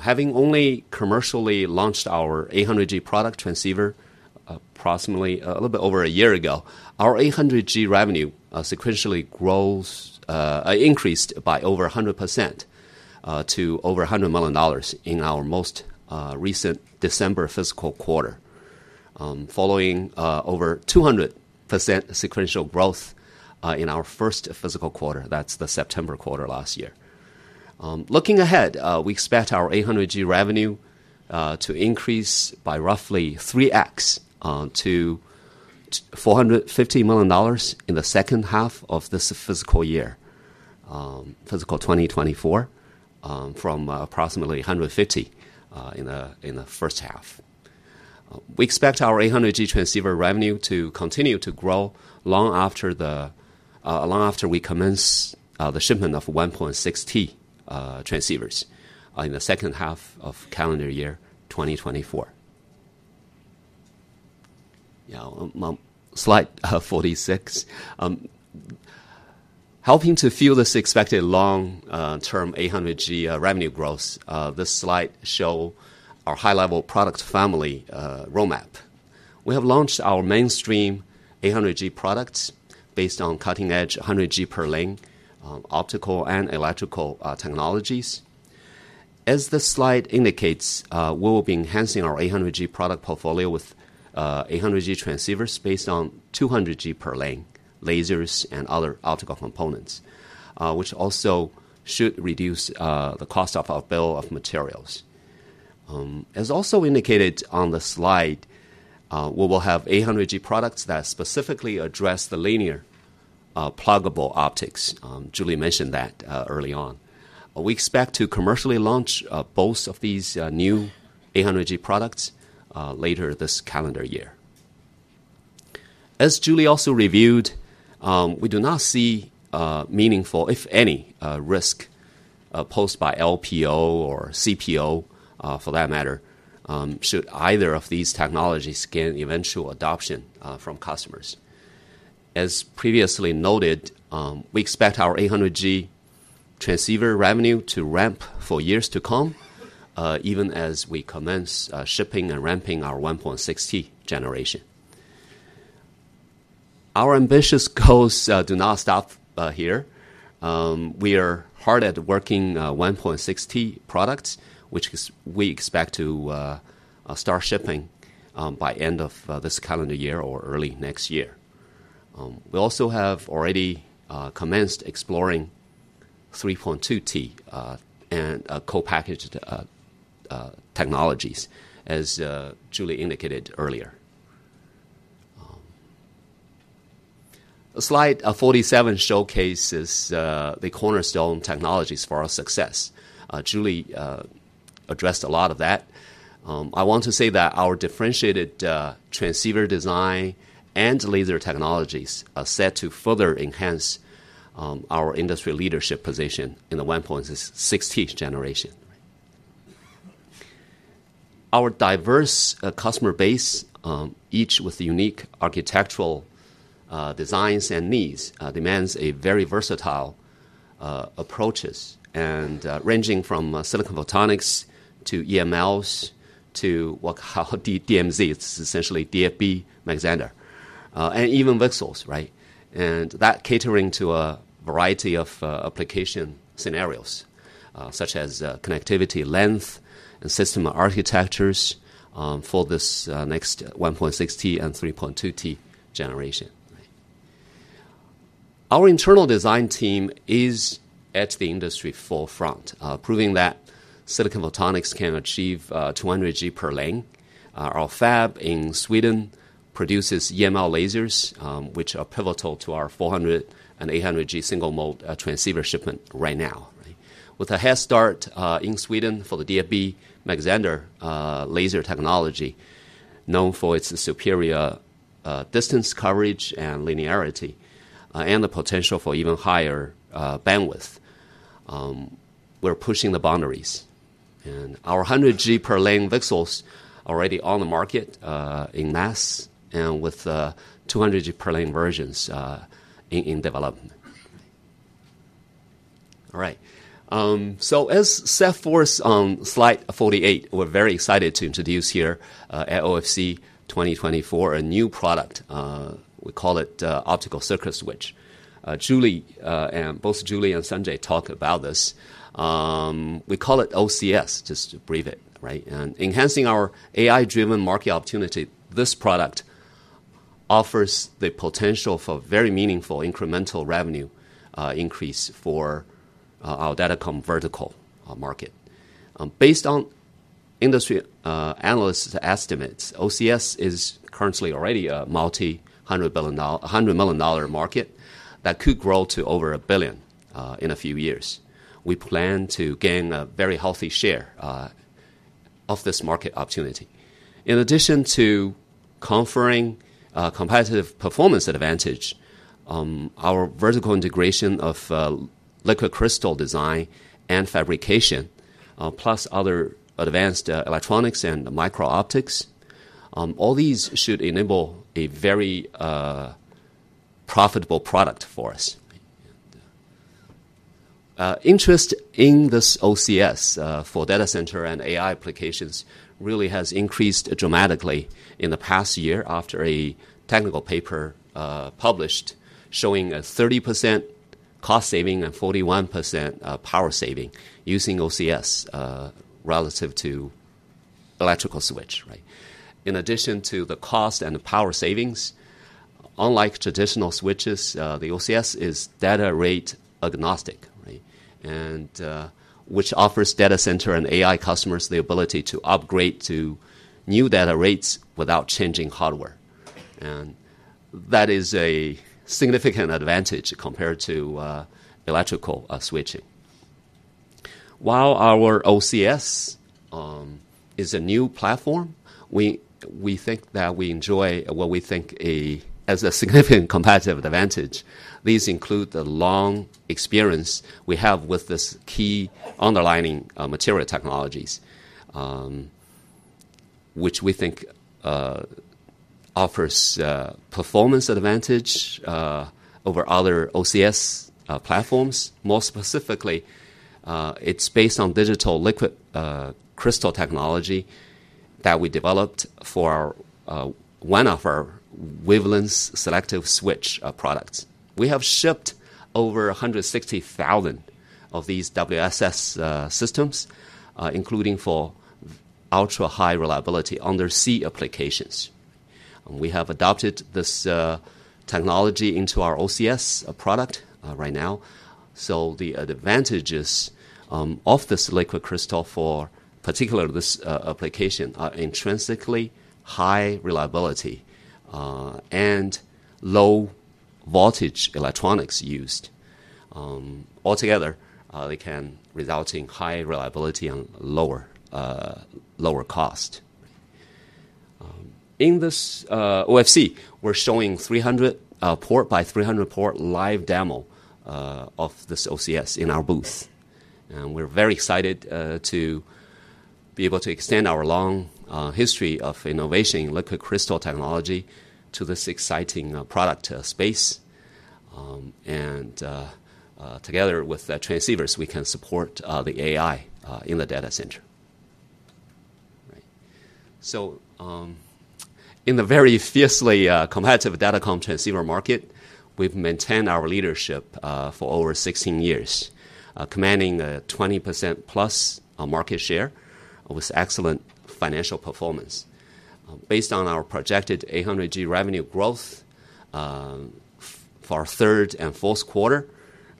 Having only commercially launched our 800G product transceiver approximately a little bit over a year ago, our 800G revenue sequentially grows, increased by over 100%, to over $100 million in our most recent December fiscal quarter, following over 200% sequential growth in our first fiscal quarter. That's the September quarter last year. Looking ahead, we expect our 800G revenue to increase by roughly 3x to $450 million in the second half of this fiscal year, fiscal 2024, from approximately $150 million in the first half. We expect our 800G transceiver revenue to continue to grow long after we commence the shipment of 1.6T transceivers in the second half of calendar year 2024. Yeah, slide 46. Helping to fuel this expected long-term 800G revenue growth, this slide shows our high-level product family roadmap. We have launched our mainstream 800G products based on cutting-edge 100G per lane optical and electrical technologies. As this slide indicates, we will be enhancing our 800G product portfolio with 800G transceivers based on 200G per lane lasers and other optical components, which also should reduce the cost of our bill of materials. As also indicated on the slide, we will have 800G products that specifically address the linear pluggable optics. Julie mentioned that early on. We expect to commercially launch both of these new 800G products later this calendar year. As Julie also reviewed, we do not see meaningful, if any, risk posed by LPO or CPO for that matter should either of these technologies gain eventual adoption from customers. As previously noted, we expect our 800G transceiver revenue to ramp for years to come even as we commence shipping and ramping our 1.6T generation. Our ambitious goals do not stop here. We are hard at work on 1.6T products, which we expect to start shipping by end of this calendar year or early next year. We also have already commenced exploring 3.2T and co-packaged technologies, as Julie indicated earlier. Slide 47 showcases the cornerstone technologies for our success. Julie addressed a lot of that. I want to say that our differentiated transceiver design and laser technologies are set to further enhance our industry leadership position in the 1.6T generation. Our diverse customer base, each with unique architectural designs and needs, demands a very versatile approaches, and ranging from silicon photonics to EMLs, to DFB-MZ. It's essentially DFB modulator and even VCSELs, right? That catering to a variety of application scenarios, such as connectivity length and system architectures, for this next 1.6T and 3.2T generation. Our internal design team is at the industry forefront, proving that silicon photonics can achieve 200G per lane. Our fab in Sweden produces EML lasers, which are pivotal to our 400G and 800G single mode transceiver shipment right now. With a head start in Sweden for the DFB Mach-Zehnder laser technology, known for its superior distance coverage and linearity, and the potential for even higher bandwidth, we're pushing the boundaries. Our 100G per lane VCSELs are already on the market in mass, and with 200G per lane versions in development. All right. As set forth on slide 48, we're very excited to introduce here at OFC 2024 a new product we call it Optical Circuit Switch. Julie and both Julie and Sanjai talk about this. We call it OCS, just to abbreviate, right? And enhancing our AI-driven market opportunity, this product offers the potential for very meaningful incremental revenue increase for our Datacom vertical market. Based on industry analysts' estimates, OCS is currently already a multi-hundred million dollar market that could grow to over a billion in a few years. We plan to gain a very healthy share of this market opportunity. In addition to conferring a competitive performance advantage, our vertical integration of liquid crystal design and fabrication, plus other advanced electronics and micro-optics, all these should enable a very profitable product for us. Interest in this OCS for data center and AI applications really has increased dramatically in the past year, after a technical paper published showing a 30% cost saving and 41% power saving using OCS relative to electrical switch, right? In addition to the cost and the power savings, unlike traditional switches, the OCS is data rate agnostic, right? And which offers data center and AI customers the ability to upgrade to new data rates without changing hardware. And that is a significant advantage compared to electrical switching. While our OCS is a new platform, we think that we enjoy what we think as a significant competitive advantage. These include the long experience we have with this key underlying material technologies, which we think offers performance advantage over other OCS platforms. Most specifically, it's based on digital liquid crystal technology that we developed for our one of our wavelength selective switch products. We have shipped over 160,000 of these WSS systems, including for ultra-high reliability under sea applications. We have adopted this technology into our OCS product right now. The advantages of this liquid crystal for particularly this application are intrinsically high reliability and low voltage electronics used. Altogether, they can result in high reliability and lower cost. In this OFC, we're showing 300 port by 300 port live demo of this OCS in our booth. We're very excited to be able to extend our long history of innovation in liquid crystal technology to this exciting product space. Together with the transceivers, we can support the AI in the data center. Right. In the very fiercely competitive Datacom transceiver market, we've maintained our leadership for over 16 years, commanding a 20% plus market share, with excellent financial performance. Based on our projected 800G revenue growth for our third and fourth quarter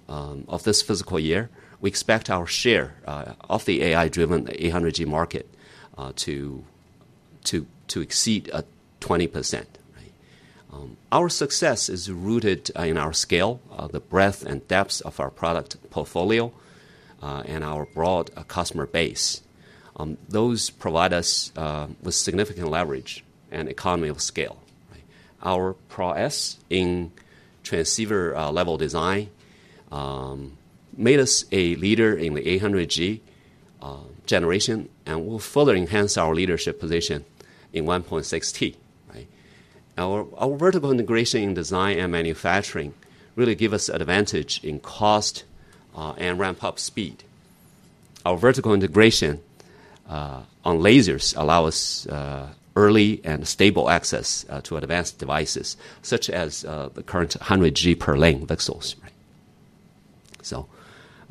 of this fiscal year, we expect our share of the AI-driven 800G market to exceed 20%. Our success is rooted in our scale, the breadth and depth of our product portfolio, and our broad customer base. Those provide us with significant leverage and economy of scale. Our prowess in transceiver level design made us a leader in the 800G generation, and will further enhance our leadership position in 1.6T. Right? Our vertical integration in design and manufacturing really give us advantage in cost and ramp-up speed. Our vertical integration on lasers allow us early and stable access to advanced devices, such as the current 100G per lane VCSELs. So,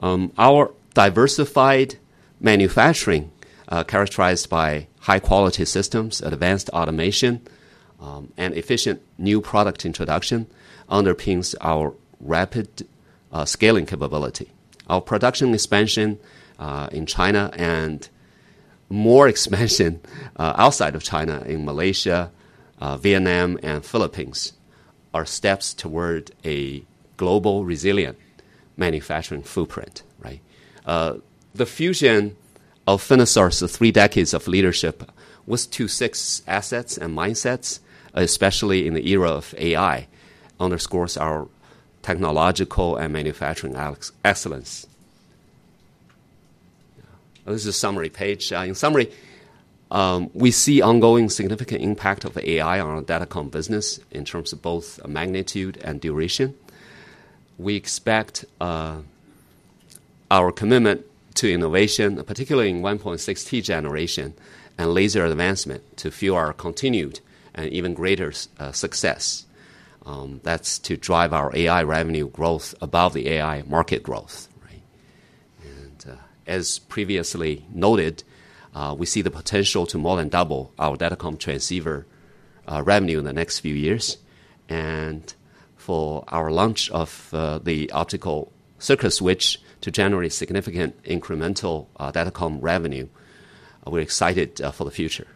our diversified manufacturing, characterized by high-quality systems, advanced automation, and efficient new product introduction, underpins our rapid scaling capability. Our production expansion in China and more expansion outside of China, in Malaysia, Vietnam, and Philippines, are steps toward a global resilient manufacturing footprint, right? The fusion of Finisar's three decades of leadership with II-VI assets and mindsets, especially in the era of AI, underscores our technological and manufacturing excellence. This is a summary page. In summary, we see ongoing significant impact of AI on our Datacom business in terms of both magnitude and duration. We expect our commitment to innovation, particularly in 1.6T generation and laser advancement, to fuel our continued and even greater success. That's to drive our AI revenue growth above the AI market growth, right? And, as previously noted, we see the potential to more than double our Datacom transceiver revenue in the next few years. For our launch of the optical circuit switch to generate significant incremental Datacom revenue, we're excited for the future.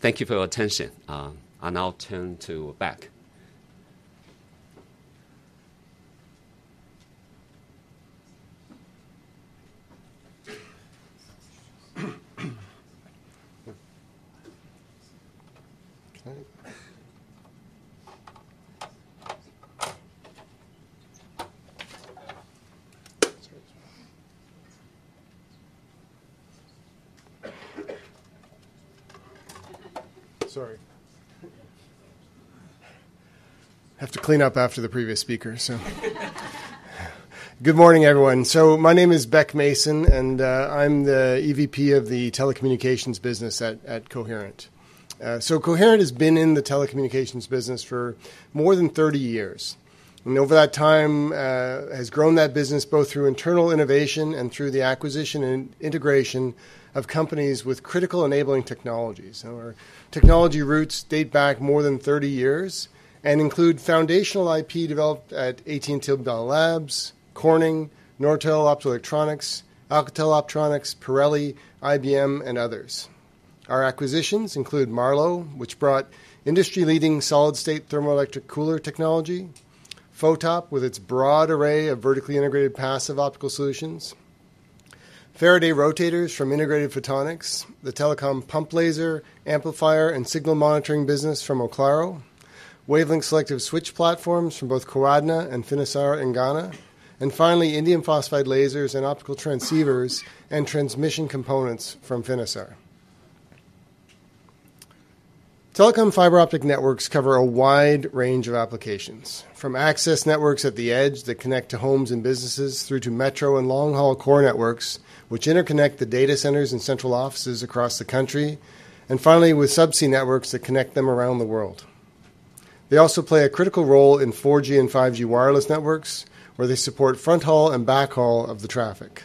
Thank you for your attention. I now turn to Beck. Sorry. I have to clean up after the previous speaker, so. Good morning, everyone. So my name is Beck Mason, and, I'm the EVP of the Telecommunications business at, at Coherent. So Coherent has been in the Telecommunications business for more than 30 years. Over that time, has grown that business both through internal innovation and through the acquisition and integration of companies with critical enabling technologies. So our technology roots date back more than 30 years and include foundational IP developed at AT&T Bell Labs, Corning, Nortel Optoelectronics, Alcatel Optronics, Pirelli, IBM, and others. Our acquisitions include Marlow, which brought industry-leading solid-state thermoelectric cooler technology, Photop, with its broad array of vertically integrated passive optical solutions, Faraday Rotators from Integrated Photonics, the Telecom pump laser, amplifier, and signal monitoring business from Oclaro, wavelength selective switch platforms from both CoAdna and Engana, and finally, indium phosphide lasers and optical transceivers and transmission components from Finisar. Telecom fiber optic networks cover a wide range of applications, from access networks at the edge that connect to homes and businesses, through to metro and long-haul core networks, which interconnect the data centers and central offices across the country, and finally, with subsea networks that connect them around the world. They also play a critical role in 4G and 5G wireless networks, where they support fronthaul and backhaul of the traffic.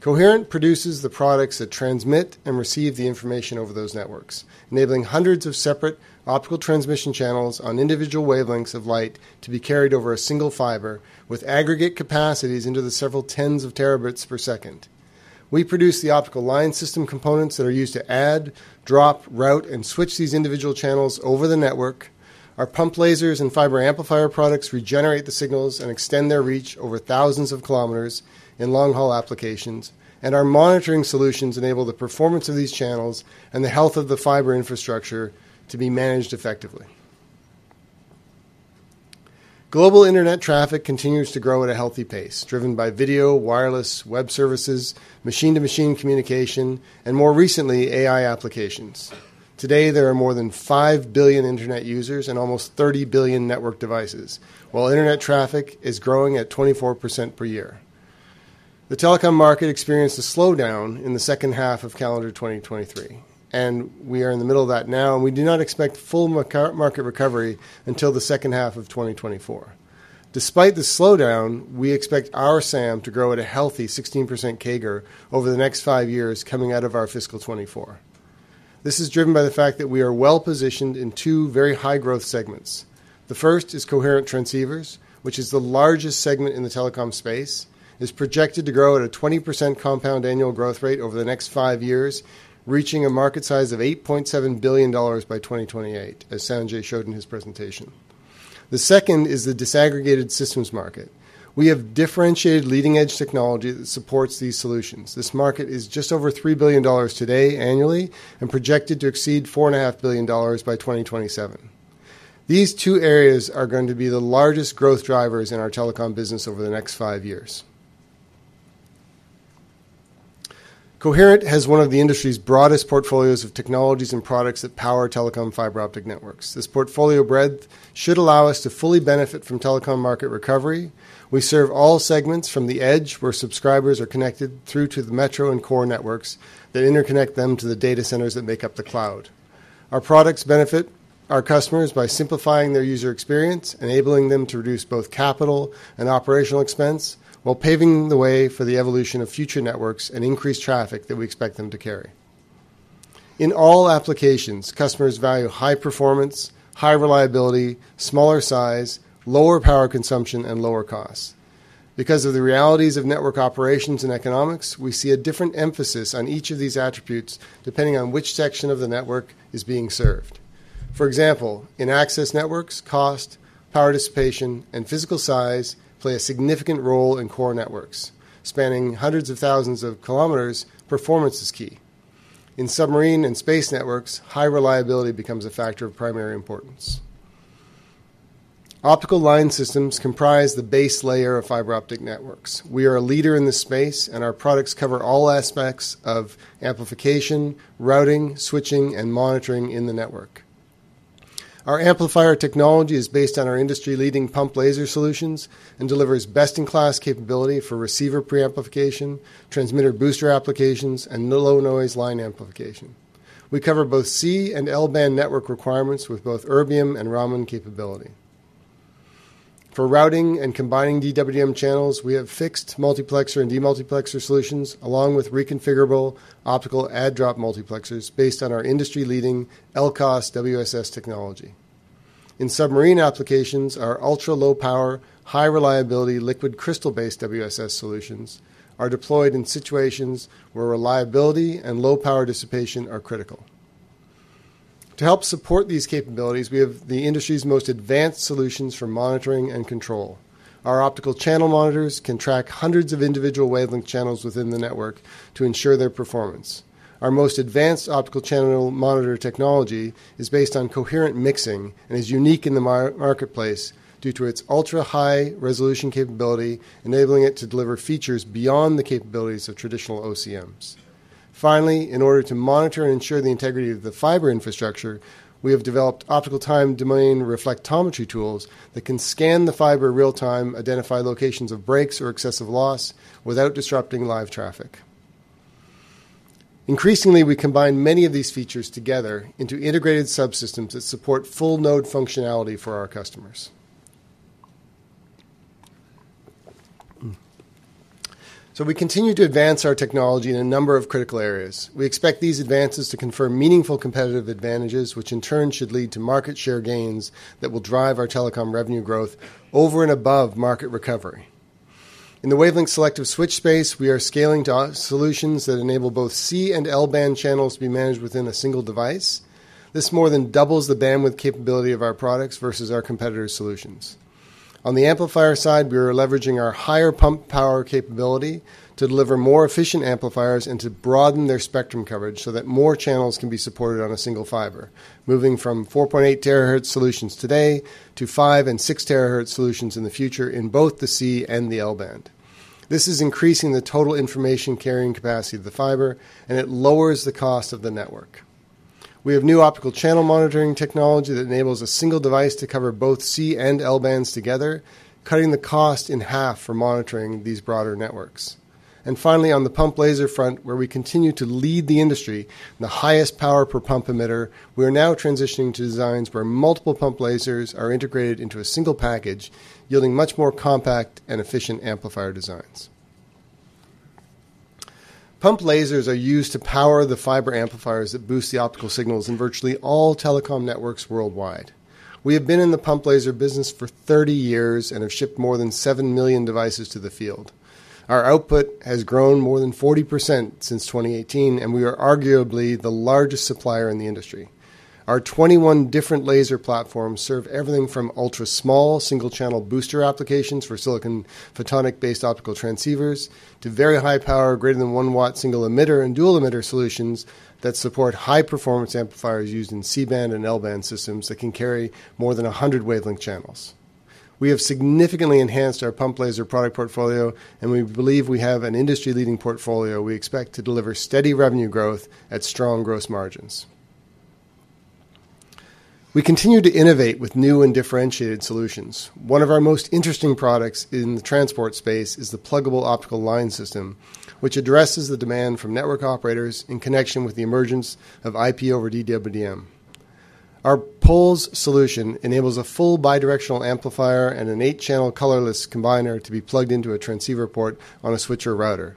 Coherent produces the products that transmit and receive the information over those networks, enabling hundreds of separate optical transmission channels on individual wavelengths of light to be carried over a single fiber, with aggregate capacities into the several 10 Tbps. We produce the optical line system components that are used to add, drop, route, and switch these individual channels over the network. Our pump lasers and fiber amplifier products regenerate the signals and extend their reach over thousands of kilometers in long-haul applications, and our monitoring solutions enable the performance of these channels and the health of the fiber infrastructure to be managed effectively. Global internet traffic continues to grow at a healthy pace, driven by video, wireless, web services, machine-to-machine communication, and more recently, AI applications. Today, there are more than five billion internet users and almost 30 billion network devices, while internet traffic is growing at 24% per year. The Telecom market experienced a slowdown in the second half of calendar 2023, and we are in the middle of that now, and we do not expect full current market recovery until the second half of 2024. Despite the slowdown, we expect our SAM to grow at a healthy 16% CAGR over the next five years coming out of our fiscal 2024. This is driven by the fact that we are well-positioned in two very high-growth segments. The first is coherent transceivers, which is the largest segment in the Telecom space, is projected to grow at a 20% compound annual growth rate over the next five years, reaching a market size of $8.7 billion by 2028, as Sanjai showed in his presentation. The second is the disaggregated systems market. We have differentiated leading-edge technology that supports these solutions. This market is just over $3 billion today annually and projected to exceed $4.5 billion by 2027. These two areas are going to be the largest growth drivers in our Telecom business over the next five years. Coherent has one of the industry's broadest portfolios of technologies and products that power Telecom fiber optic networks. This portfolio breadth should allow us to fully benefit from Telecom market recovery. We serve all segments from the edge, where subscribers are connected, through to the metro and core networks that interconnect them to the data centers that make up the cloud. Our products benefit our customers by simplifying their user experience, enabling them to reduce both capital and operational expense, while paving the way for the evolution of future networks and increased traffic that we expect them to carry. In all applications, customers value high performance, high reliability, smaller size, lower power consumption, and lower costs. Because of the realities of network operations and economics, we see a different emphasis on each of these attributes, depending on which section of the network is being served. For example, in access networks, cost, power dissipation, and physical size play a significant role in core networks. Spanning hundreds of thousands of kilometers, performance is key. In submarine and space networks, high reliability becomes a factor of primary importance. Optical line systems comprise the base layer of fiber optic networks. We are a leader in this space, and our products cover all aspects of amplification, routing, switching, and monitoring in the network. Our amplifier technology is based on our industry-leading pump laser solutions and delivers best-in-class capability for receiver pre-amplification, transmitter booster applications, and low noise line amplification. We cover both C and L-band network requirements with both erbium and Raman capability. For routing and combining DWDM channels, we have fixed multiplexer and demultiplexer solutions, along with reconfigurable optical add-drop multiplexers based on our industry-leading LCOS WSS technology. In submarine applications, our ultra-low power, high reliability, liquid crystal-based WSS solutions are deployed in situations where reliability and low power dissipation are critical. To help support these capabilities, we have the industry's most advanced solutions for monitoring and control. Our optical channel monitors can track hundreds of individual wavelength channels within the network to ensure their performance. Our most advanced optical channel monitor technology is based on coherent mixing and is unique in the marketplace due to its ultra-high resolution capability, enabling it to deliver features beyond the capabilities of traditional OCMs. Finally, in order to monitor and ensure the integrity of the fiber infrastructure, we have developed optical time domain reflectometry tools that can scan the fiber real-time, identify locations of breaks or excessive loss without disrupting live traffic. Increasingly, we combine many of these features together into integrated subsystems that support full node functionality for our customers. We continue to advance our technology in a number of critical areas. We expect these advances to confer meaningful competitive advantages, which in turn should lead to market share gains that will drive our Telecom revenue growth over and above market recovery. In the wavelength selective switch space, we are scaling to solutions that enable both C-band and L-band channels to be managed within a single device. This more than doubles the bandwidth capability of our products versus our competitors' solutions. On the amplifier side, we are leveraging our higher pump power capability to deliver more efficient amplifiers and to broaden their spectrum coverage so that more channels can be supported on a single fiber, moving from 4.8 THz solutions today to 5 THz and 6 THz solutions in the future in both the C-band and the L-band. This is increasing the total information carrying capacity of the fiber, and it lowers the cost of the network. We have new optical channel monitoring technology that enables a single device to cover both C-band and L-band together, cutting the cost in half for monitoring these broader networks. Finally, on the pump laser front, where we continue to lead the industry in the highest power per pump emitter, we are now transitioning to designs where multiple pump lasers are integrated into a single package, yielding much more compact and efficient amplifier designs. Pump lasers are used to power the fiber amplifiers that boost the optical signals in virtually all Telecom networks worldwide. We have been in the pump laser business for 30 years and have shipped more than seven million devices to the field. Our output has grown more than 40% since 2018, and we are arguably the largest supplier in the industry. Our 21 different laser platforms serve everything from ultra-small, single-channel booster applications for silicon photonic-based optical transceivers to very high power, greater than 1 W, single emitter and dual emitter solutions that support high-performance amplifiers used in C-band and L-band systems that can carry more than 100 wavelength channels. We have significantly enhanced our pump laser product portfolio, and we believe we have an industry-leading portfolio we expect to deliver steady revenue growth at strong gross margins. We continue to innovate with new and differentiated solutions. One of our most interesting products in the transport space is the Pluggable Optical Line System, which addresses the demand from network operators in connection with the emergence of IP over DWDM. Our POLS solution enables a full bidirectional amplifier and an 8-channel colorless combiner to be plugged into a transceiver port on a switch or router.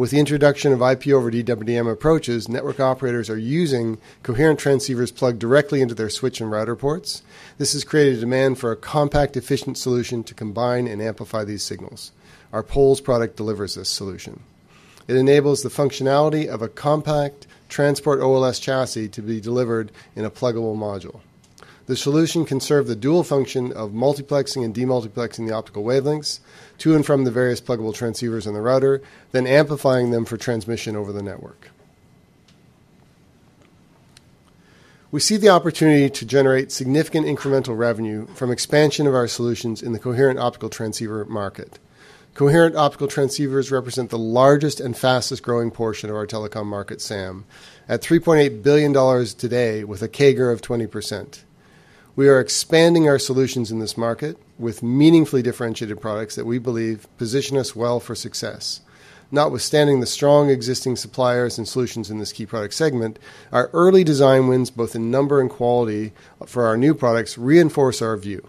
With the introduction of IP over DWDM approaches, network operators are using coherent transceivers plugged directly into their switch and router ports. This has created a demand for a compact, efficient solution to combine and amplify these signals. Our POLS product delivers this solution. It enables the functionality of a compact transport OLS chassis to be delivered in a pluggable module. The solution can serve the dual function of multiplexing and demultiplexing the optical wavelengths to and from the various pluggable transceivers in the router, then amplifying them for transmission over the network. We see the opportunity to generate significant incremental revenue from expansion of our solutions in the coherent optical transceiver market. Coherent optical transceivers represent the largest and fastest-growing portion of our Telecom market, SAM, at $3.8 billion today with a CAGR of 20%. We are expanding our solutions in this market with meaningfully differentiated products that we believe position us well for success. Notwithstanding the strong existing suppliers and solutions in this key product segment, our early design wins, both in number and quality for our new products, reinforce our view.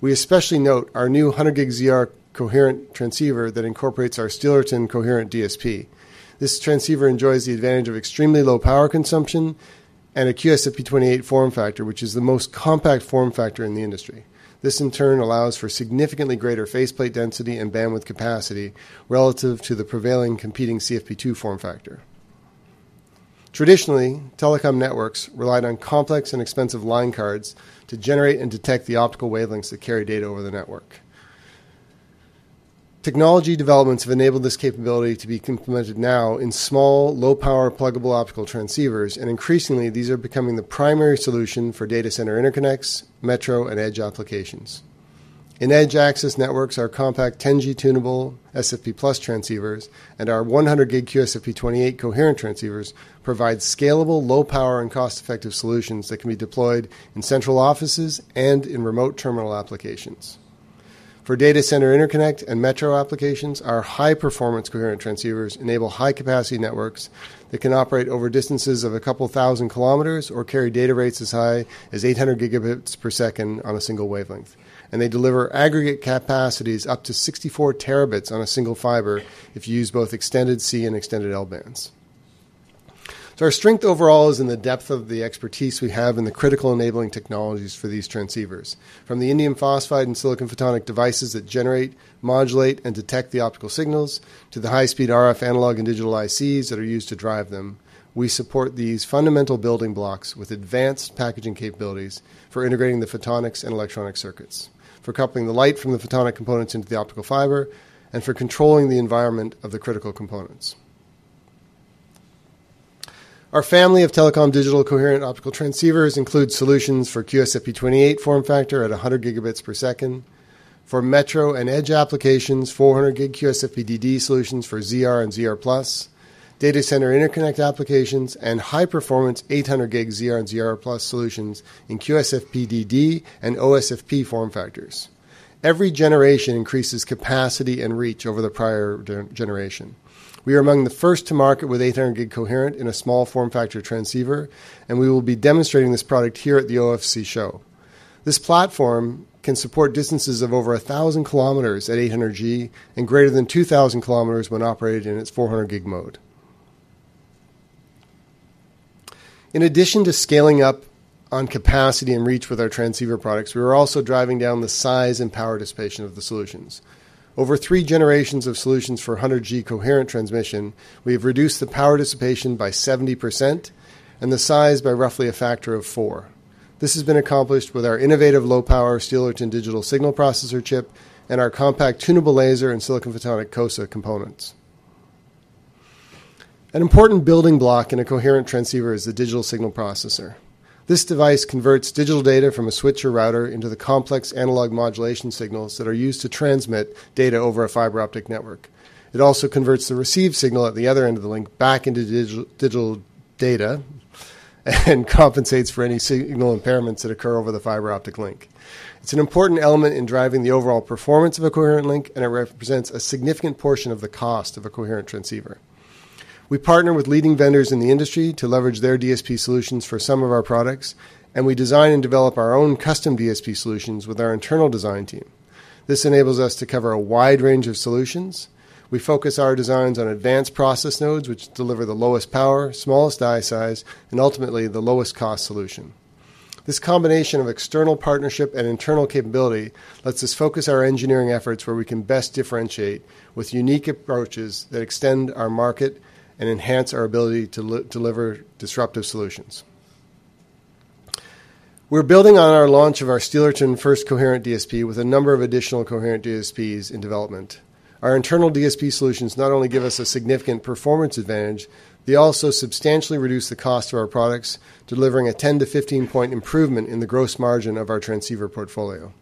We especially note our new 100G ZR coherent transceiver that incorporates our Steelerton coherent DSP. This transceiver enjoys the advantage of extremely low power consumption and a QSFP28 form factor, which is the most compact form factor in the industry. This, in turn, allows for significantly greater faceplate density and bandwidth capacity relative to the prevailing competing CFP2 form factor. Traditionally, Telecom networks relied on complex and expensive line cards to generate and detect the optical wavelengths that carry data over the network. Technology developments have enabled this capability to be implemented now in small, low-power, pluggable optical transceivers, and increasingly, these are becoming the primary solution for data center interconnects, metro, and edge applications. In edge access networks, our compact 10G Tunable SFP+ transceivers and our 100G QSFP28 coherent transceivers provide scalable, low power, and cost-effective solutions that can be deployed in central offices and in remote terminal applications. For data center interconnect and metro applications, our high-performance coherent transceivers enable high-capacity networks that can operate over distances of 2,000 km or carry data rates as high as 800 Gbps on a single wavelength, and they deliver aggregate capacities up to 64 Tb on a single fiber if you use both extended C and extended L bands. Our strength overall is in the depth of the expertise we have in the critical enabling technologies for these transceivers. From the indium phosphide and silicon photonic devices that generate, modulate, and detect the optical signals to the high-speed RF analog and digital ICs that are used to drive them, we support these fundamental building blocks with advanced packaging capabilities for integrating the photonics and electronic circuits, for coupling the light from the photonic components into the optical fiber, and for controlling the environment of the critical components. Our family of Telecom digital coherent optical transceivers include solutions for QSFP28 form factor at 100 Gbps; for metro and edge applications, 400G QSFP-DD solutions for ZR and ZR+; data center interconnect applications, and high-performance 800G ZR and ZR+ solutions in QSFP-DD and OSFP form factors. Every generation increases capacity and reach over the prior gen. We are among the first to market with 800G coherent in a small form factor transceiver, and we will be demonstrating this product here at the OFC show. This platform can support distances of over 1,000 km at 800G and greater than 2,000 km when operated in its 400G mode. In addition to scaling up on capacity and reach with our transceiver products, we are also driving down the size and power dissipation of the solutions. Over three generations of solutions for 100G coherent transmission, we have reduced the power dissipation by 70% and the size by roughly a factor of four. This has been accomplished with our innovative low-power Steelerton digital signal processor chip and our compact tunable laser and silicon photonic COSA components. An important building block in a coherent transceiver is the digital signal processor. This device converts digital data from a switch or router into the complex analog modulation signals that are used to transmit data over a fiber optic network. It also converts the received signal at the other end of the link back into digital data, and compensates for any signal impairments that occur over the fiber optic link. It's an important element in driving the overall performance of a coherent link, and it represents a significant portion of the cost of a coherent transceiver. We partner with leading vendors in the industry to leverage their DSP solutions for some of our products, and we design and develop our own custom DSP solutions with our internal design team. This enables us to cover a wide range of solutions. We focus our designs on advanced process nodes, which deliver the lowest power, smallest die size, and ultimately, the lowest cost solution. This combination of external partnership and internal capability lets us focus our engineering efforts where we can best differentiate with unique approaches that extend our market and enhance our ability to deliver disruptive solutions. We're building on our launch of our Steelerton first coherent DSP with a number of additional coherent DSPs in development. Our internal DSP solutions not only give us a significant performance advantage, they also substantially reduce the cost of our products, delivering a 10-15 point improvement in the gross margin of our transceiver portfolio.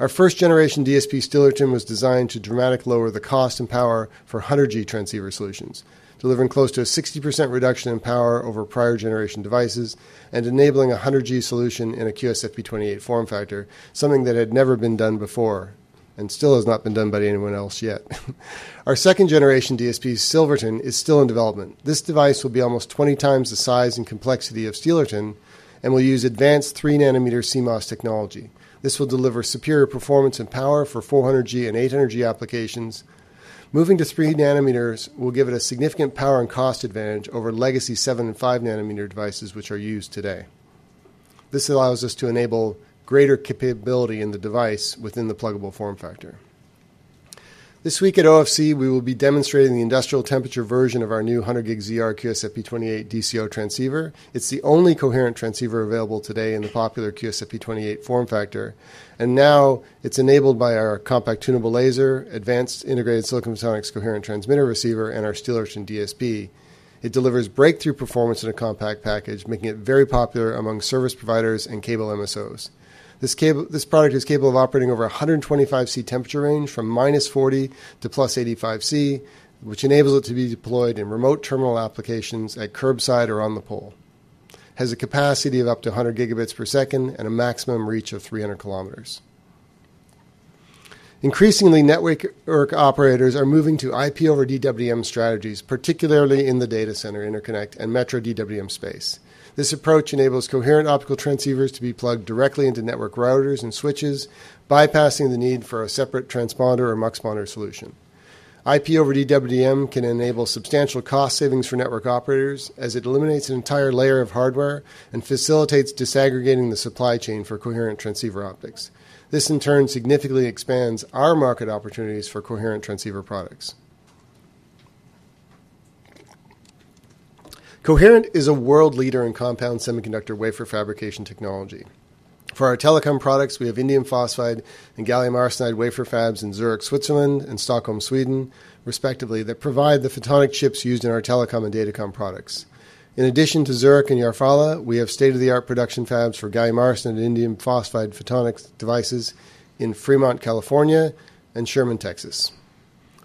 Our first generation DSP, Steelerton, was designed to dramatically lower the cost and power for 100G transceiver solutions, delivering close to a 60% reduction in power over prior generation devices and enabling a 100G solution in a QSFP28 form factor, something that had never been done before and still has not been done by anyone else yet. Our second generation DSP, Silverton, is still in development. This device will be almost 20x the size and complexity of Steelerton and will use advanced 3 nm CMOS technology. This will deliver superior performance and power for 400G and 800G applications. Moving to 3 nm will give it a significant power and cost advantage over legacy 7-5 nm devices, which are used today. This allows us to enable greater capability in the device within the pluggable form factor. This week at OFC, we will be demonstrating the industrial temperature version of our new 100G ZR QSFP28 DCO transceiver. It's the only coherent transceiver available today in the popular QSFP28 form factor, and now it's enabled by our compact tunable laser, advanced integrated silicon photonics coherent transmitter receiver, and our Steelerton DSP. It delivers breakthrough performance in a compact package, making it very popular among service providers and cable MSOs. This product is capable of operating over a 125 degrees Celsius temperature range from -40 to +85 degrees Celsius, which enables it to be deployed in remote terminal applications at curbside or on the pole. Has a capacity of up to 100 Gbps and a maximum reach of 300 km. Increasingly, network operators are moving to IP over DWDM strategies, particularly in the data center interconnect and metro DWDM space. This approach enables coherent optical transceivers to be plugged directly into network routers and switches, bypassing the need for a separate transponder or muxponder solution. IP over DWDM can enable substantial cost savings for network operators, as it eliminates an entire layer of hardware and facilitates disaggregating the supply chain for coherent transceiver optics. This, in turn, significantly expands our market opportunities for coherent transceiver products. Coherent is a world leader in compound semiconductor wafer fabrication technology. For our Telecom products, we have indium phosphide and gallium arsenide wafer fabs in Zurich, Switzerland, and Stockholm, Sweden, respectively, that provide the photonic chips used in our Telecom and Datacom products. In addition to Zurich and Järfälla, we have state-of-the-art production fabs for gallium arsenide and indium phosphide photonic devices in Fremont, California, and Sherman, Texas.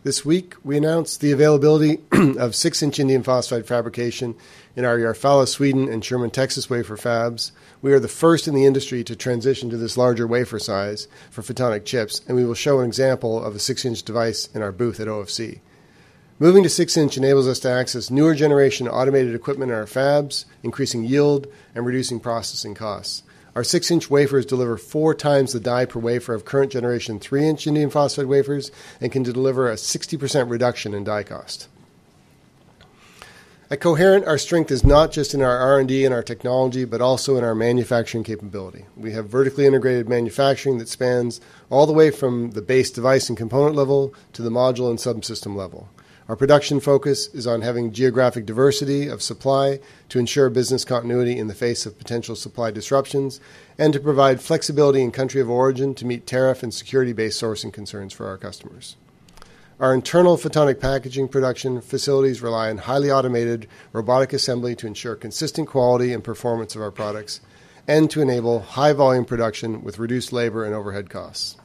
This week, we announced the availability of six-inch indium phosphide fabrication in our Järfälla, Sweden, and Sherman, Texas, wafer fabs. We are the first in the industry to transition to this larger wafer size for photonic chips, and we will show an example of a six-inch device in our booth at OFC. Moving to six-inch enables us to access newer-generation automated equipment in our fabs, increasing yield and reducing processing costs. Our six-inch wafers deliver 4x the die per wafer of current-generation three-inch indium phosphide wafers and can deliver a 60% reduction in die cost. At Coherent, our strength is not just in our R&D and our technology, but also in our manufacturing capability. We have vertically integrated manufacturing that spans all the way from the base device and component level to the module and subsystem level. Our production focus is on having geographic diversity of supply to ensure business continuity in the face of potential supply disruptions and to provide flexibility in country of origin to meet tariff and security-based sourcing concerns for our customers. Our internal photonic packaging production facilities rely on highly automated robotic assembly to ensure consistent quality and performance of our products and to enable high volume production with reduced labor and overhead costs.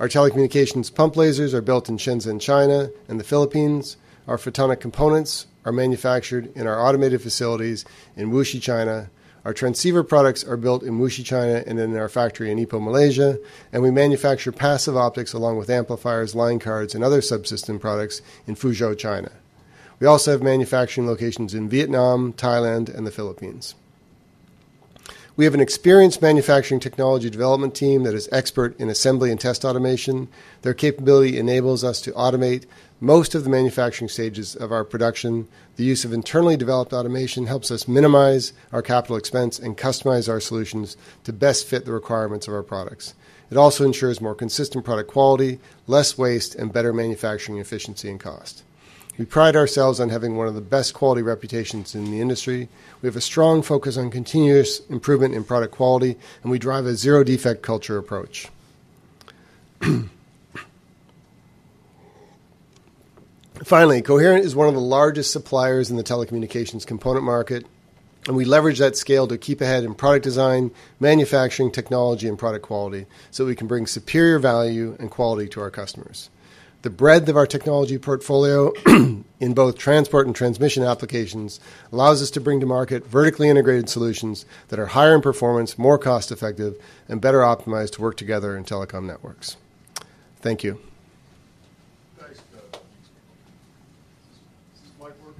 Our Telecommunications pump lasers are built in Shenzhen, China, and the Philippines. Our photonic components are manufactured in our automated facilities in Wuxi, China. Our transceiver products are built in Wuxi, China, and in our factory in Ipoh, Malaysia, and we manufacture passive optics along with amplifiers, line cards, and other subsystem products in Fuzhou, China. We also have manufacturing locations in Vietnam, Thailand, and the Philippines. We have an experienced manufacturing technology development team that is expert in assembly and test automation. Their capability enables us to automate most of the manufacturing stages of our production. The use of internally developed automation helps us minimize our capital expense and customize our solutions to best fit the requirements of our products. It also ensures more consistent product quality, less waste, and better manufacturing efficiency and cost. We pride ourselves on having one of the best quality reputations in the industry. We have a strong focus on continuous improvement in product quality, and we drive a zero-defect culture approach. Finally, Coherent is one of the largest suppliers in the Telecommunications component market, and we leverage that scale to keep ahead in product design, manufacturing, technology, and product quality, so we can bring superior value and quality to our customers. The breadth of our technology portfolio in both transport and transmission applications allows us to bring to market vertically integrated solutions that are higher in performance, more cost-effective, and better optimized to work together in Telecom networks. Thank you. Thanks, though. Does this mic work?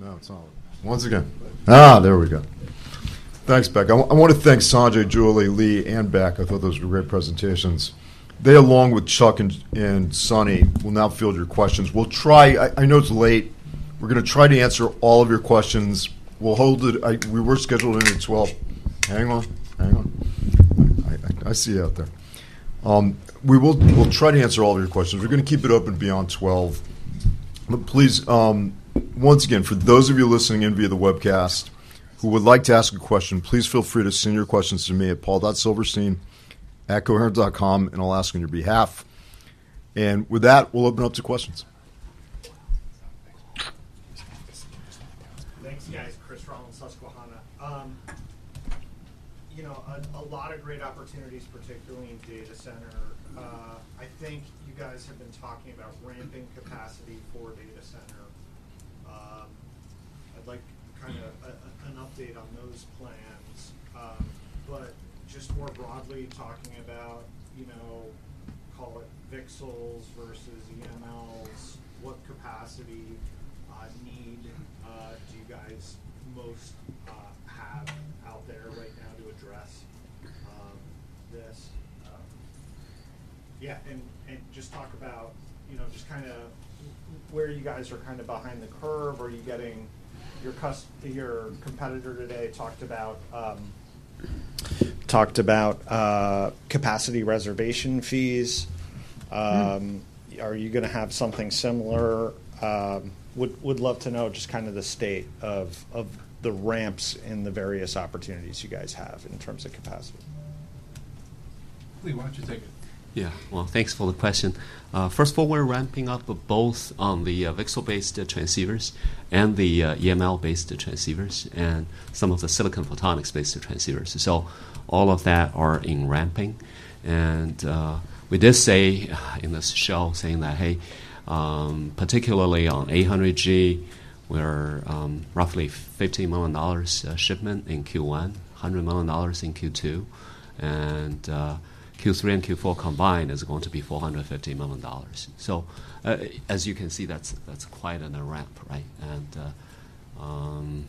No, it's not on. Once again. There we go. Thanks, Beck. I want to thank Sanjai, Julie, Lee, and Beck. I thought those were great presentations. They, along with Chuck and Sunny, will now field your questions. We'll try. I know it's late. We're gonna try to answer all of your questions. We'll hold it. We were scheduled until 12. Hang on, hang on. I see you out there. We'll try to answer all of your questions. We're gonna keep it open beyond 12. But please, once again, for those of you listening in via the webcast, who would like to ask a question, please feel free to send your questions to me at paul.silverstein@coherent.com, and I'll ask on your behalf. And with that, we'll open up to questions. Thanks, guys. Chris Rolland, Susquehanna. You know, a lot of great opportunities, particularly in data center. I think you guys have been talking about ramping capacity for data center. I'd like kind of an update on those plans. But just more broadly, talking about, you know, call it VCSELs versus EMLs, what capacity need do you guys most have out there right now to address this? Yeah, and just talk about, you know, just kind of where you guys are kind of behind the curve or are you getting your competitor today talked about capacity reservation fees. Are you gonna have something similar? Would love to know just kind of the state of the ramps and the various opportunities you guys have in terms of capacity? Lee, why don't you take it? Yeah. Well, thanks for the question. First of all, we're ramping up both on the VCSEL-based transceivers and the EML-based transceivers, and some of the silicon photonics-based transceivers. So all of that are in ramping, and we did say in this show, saying that, "Hey, particularly on 800G, we're roughly $50 million shipment in Q1, $100 million in Q2, and Q3 and Q4 combined is going to be $450 million. As you can see, that's quite a ramp, right? And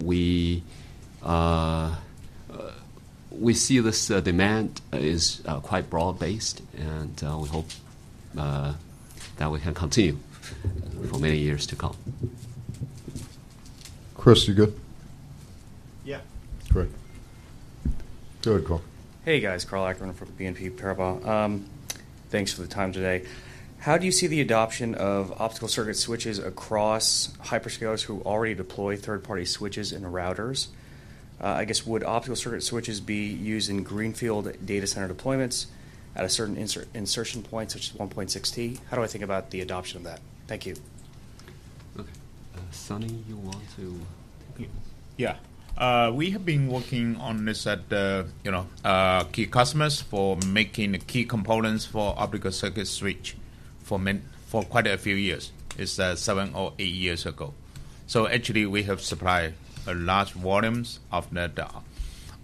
we see this demand is quite broad-based, and we hope that we can continue for many years to come. Chris, you're good? Yeah. Great. Go ahead, Karl. Hey, guys. Karl Ackerman from BNP Paribas. Thanks for the time today. How do you see the adoption of optical circuit switches across hyperscalers who already deploy third-party switches in routers? I guess would optical circuit switches be used in greenfield data center deployments at a certain insert, insertion point, such as 1.6T? How do I think about the adoption of that? Thank you. Okay. Sunny, you want to take this? Yeah. We have been working on this at the, you know, key customers for making the key components for optical circuit switch for many—for quite a few years. It's seven or eight years ago. So actually, we have supplied large volumes of net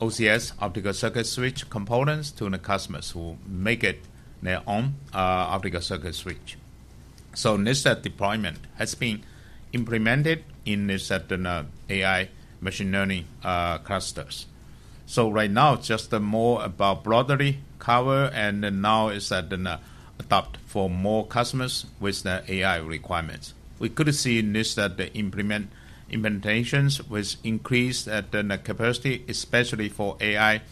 OCS, optical circuit switch, components to the customers who make it their own optical circuit switch. So this deployment has been implemented in the certain AI machine learning clusters. So right now, just the more about broadly cover, and then now is at an adopt for more customers with their AI requirements. We could see this, that the implementations with increased the capacity, especially for AI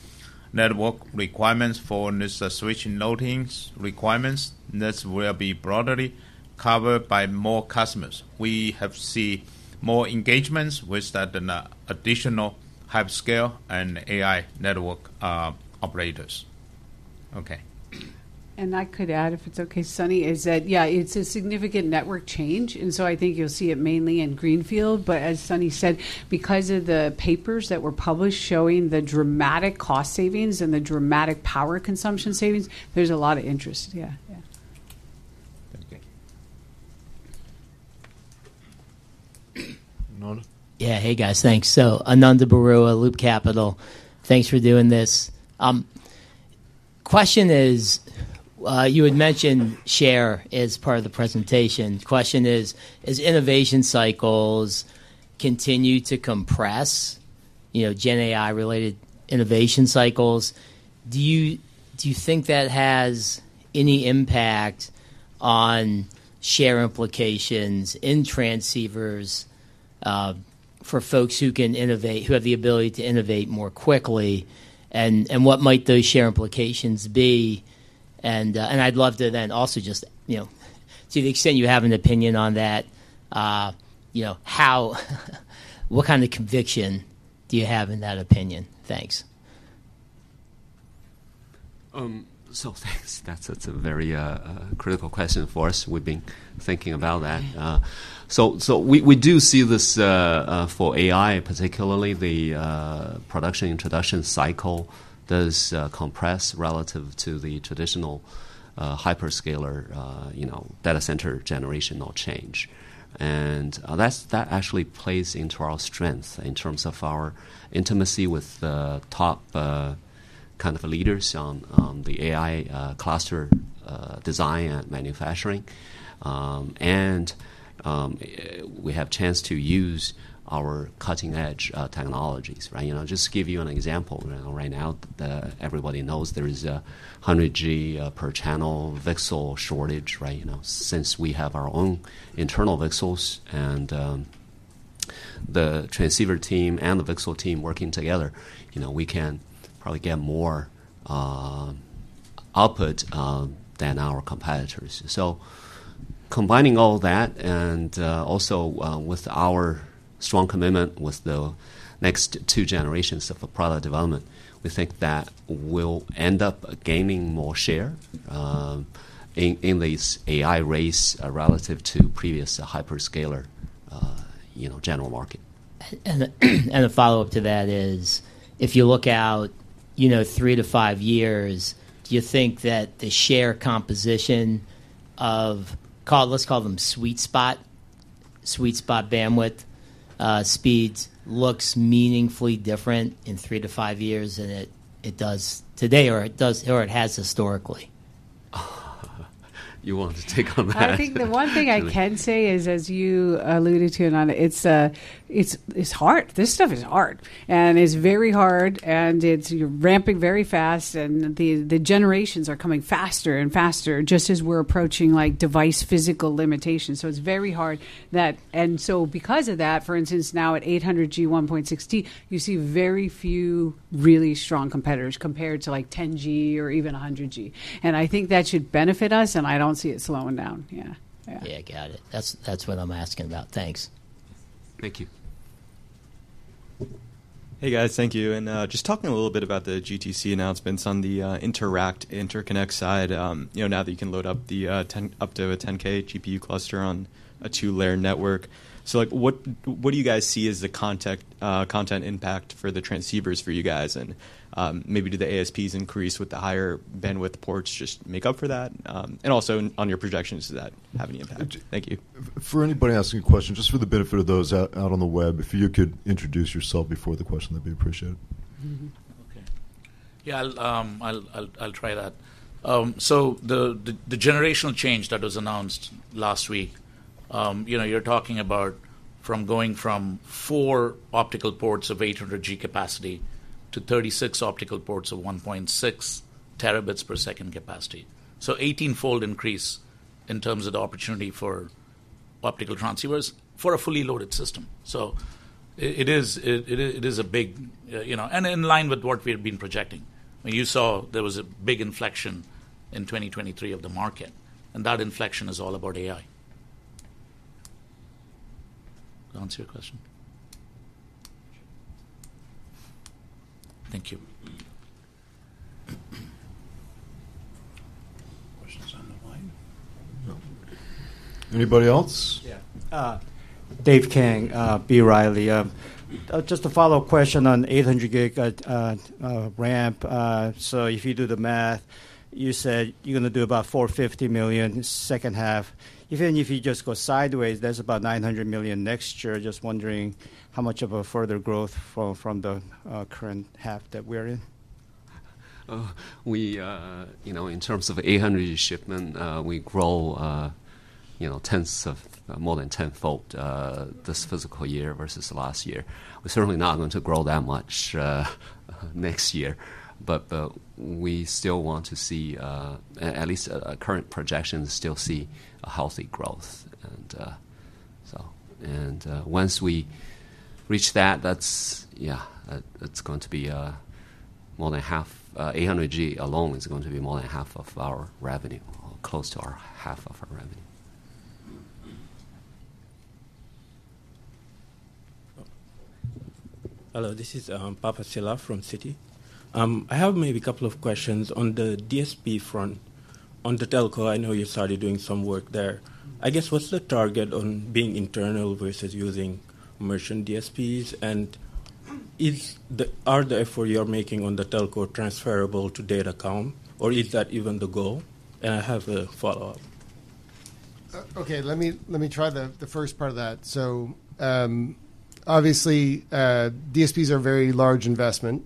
network requirements, for this switch loading requirements. This will be broadly covered by more customers. We have seen more engagements with that, the, additional hyperscale and AI network, operators. Okay. I could add, if it's okay, Sunny, is that, yeah, it's a significant network change, and so I think you'll see it mainly in greenfield. But as Sunny said, because of the papers that were published showing the dramatic cost savings and the dramatic power consumption savings, there's a lot of interest. Yeah, yeah. That's good. Ananda? Yeah. Hey, guys. Thanks. So Ananda Baruah, Loop Capital. Thanks for doing this. Question is, you had mentioned share as part of the presentation. Question is, as innovation cycles continue to compress, you know, GenAI-related innovation cycles, do you, do you think that has any impact on share implications in transceivers, for folks who can innovate—who have the ability to innovate more quickly, and, and what might those share implications be? And I'd love to then also just, you know, to the extent you have an opinion on that, you know, how, what kind of conviction do you have in that opinion? Thanks. Thanks. That's a very critical question for us. We've been thinking about that. Yeah. We do see this for AI, particularly the production introduction cycle, does compress relative to the traditional hyperscaler, you know, data center generational change. And, that actually plays into our strength in terms of our intimacy with the top kind of leaders on the AI cluster design and manufacturing. And, we have chance to use our cutting-edge technologies, right? You know, just to give you an example. Right now, everybody knows there is a 100G per channel VCSEL shortage, right? You know, since we have our own internal VCSELs and the transceiver team and the VCSEL team working together, you know, we can probably get more output than our competitors. Combining all that and also with our strong commitment with the next two generations of the product development, we think that we'll end up gaining more share in this AI race relative to previous hyperscaler, you know, general market. A follow-up to that is, if you look out, you know, three to five years, do you think that the share composition of, let's call them sweet spot, sweet spot bandwidth, speeds, looks meaningfully different in three to five years than it does today or it has historically? You want to take on that? I think the one thing I can say is, as you alluded to, Ananda, it's hard. This stuff is hard, and it's very hard, and it's ramping very fast, and the generations are coming faster and faster, just as we're approaching, like, device physical limitations. So it's very hard. And so because of that, for instance, now at 800G, 1.6T, you see very few really strong competitors compared to, like, 10G or even 100G. And I think that should benefit us, and I don't see it slowing down. Yeah, yeah. Yeah, got it. That's, that's what I'm asking about. Thanks. Thank you. Hey, guys, thank you. Just talking a little bit about the GTC announcements on the interconnect side, you know, now that you can load up the up to a 10K GPU cluster on a two-layer network. So, like, what do you guys see as the content impact for the transceivers for you guys? And, maybe do the ASPs increase with the higher bandwidth ports just make up for that? And also on your projections, does that have any impact? Thank you. For anybody asking a question, just for the benefit of those out on the web, if you could introduce yourself before the question, that'd be appreciated. Okay. Yeah, I'll try that. The generational change that was announced last week, you know, you're talking about from going from four optical ports of 800G capacity to 36 optical ports of 1.6 Tbps capacity. So 18-fold increase in terms of the opportunity for optical transceivers for a fully loaded system. So it is a big, you know, and in line with what we have been projecting. I mean, you saw there was a big inflection in 2023 of the market, and that inflection is all about AI. Answer your question? Thank you. Questions on the line? No. Anybody else? Yeah. Dave Kang, B. Riley. Just a follow-up question on 800G ramp. So if you do the math, you said you're going to do about $450 million in second half. Even if you just go sideways, that's about $900 million next year. Just wondering how much of a further growth from the current half that we're in. We, you know, in terms of 800 shipment, we grow, you know, 10s of more than 10-fold this fiscal year versus last year. We're certainly not going to grow that much next year. But we still want to see at least current projections still see a healthy growth. And and once we reach that, that's. Yeah, that's going to be more than half, 800G alone is going to be more than half of our revenue or close to half of our revenue. Hello, this is Papa Sylla from Citi. I have maybe a couple of questions. On the DSP front, on the telco, I know you started doing some work there. I guess, what's the target on being internal versus using merchant DSPs? Are the effort you are making on the telco transferable to Datacom, or is that even the goal? And I have a follow-up. Okay, let me try the first part of that. So, obviously, DSPs are a very large investment.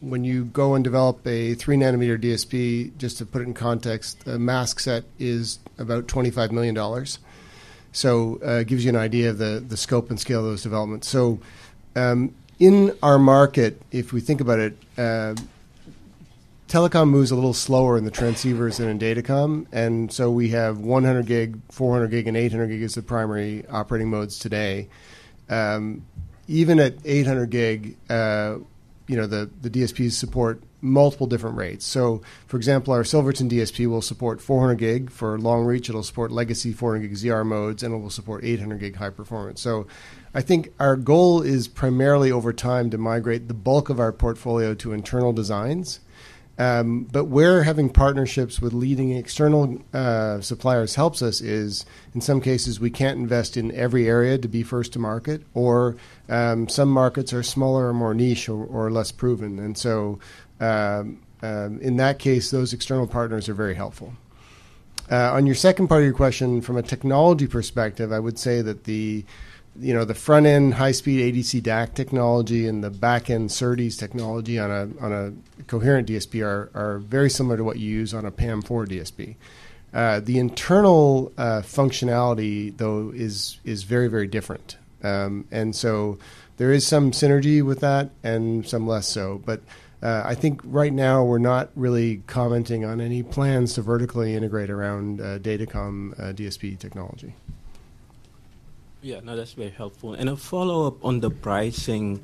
When you go and develop a three-nanometer DSP, just to put it in context, the mask set is about $25 million. So, it gives you an idea of the scope and scale of those developments. So, in our market, if we think about it, Telecom moves a little slower in the transceivers than in Datacom, and so we have 100G, 400G, and 800G as the primary operating modes today. Even at 800G, you know, the DSPs support multiple different rates. So, for example, our Silverton DSP will support 400G. For long reach, it'll support legacy 400G ZR modes, and it will support 800G high performance. So I think our goal is primarily over time, to migrate the bulk of our portfolio to internal designs. But where having partnerships with leading external suppliers helps us is, in some cases, we can't invest in every area to be first to market, or some markets are smaller or more niche or less proven. And so, in that case, those external partners are very helpful. On your second part of your question, from a technology perspective, I would say that the, you know, the front-end high-speed ADC DAC technology and the back-end SerDes technology on a Coherent DSP are very similar to what you use on a PAM4 DSP. The internal functionality, though, is very, very different. There is some synergy with that and some less so. But I think right now, we're not really commenting on any plans to vertically integrate around Datacom DSP technology. Yeah. No, that's very helpful. A follow-up on the pricing,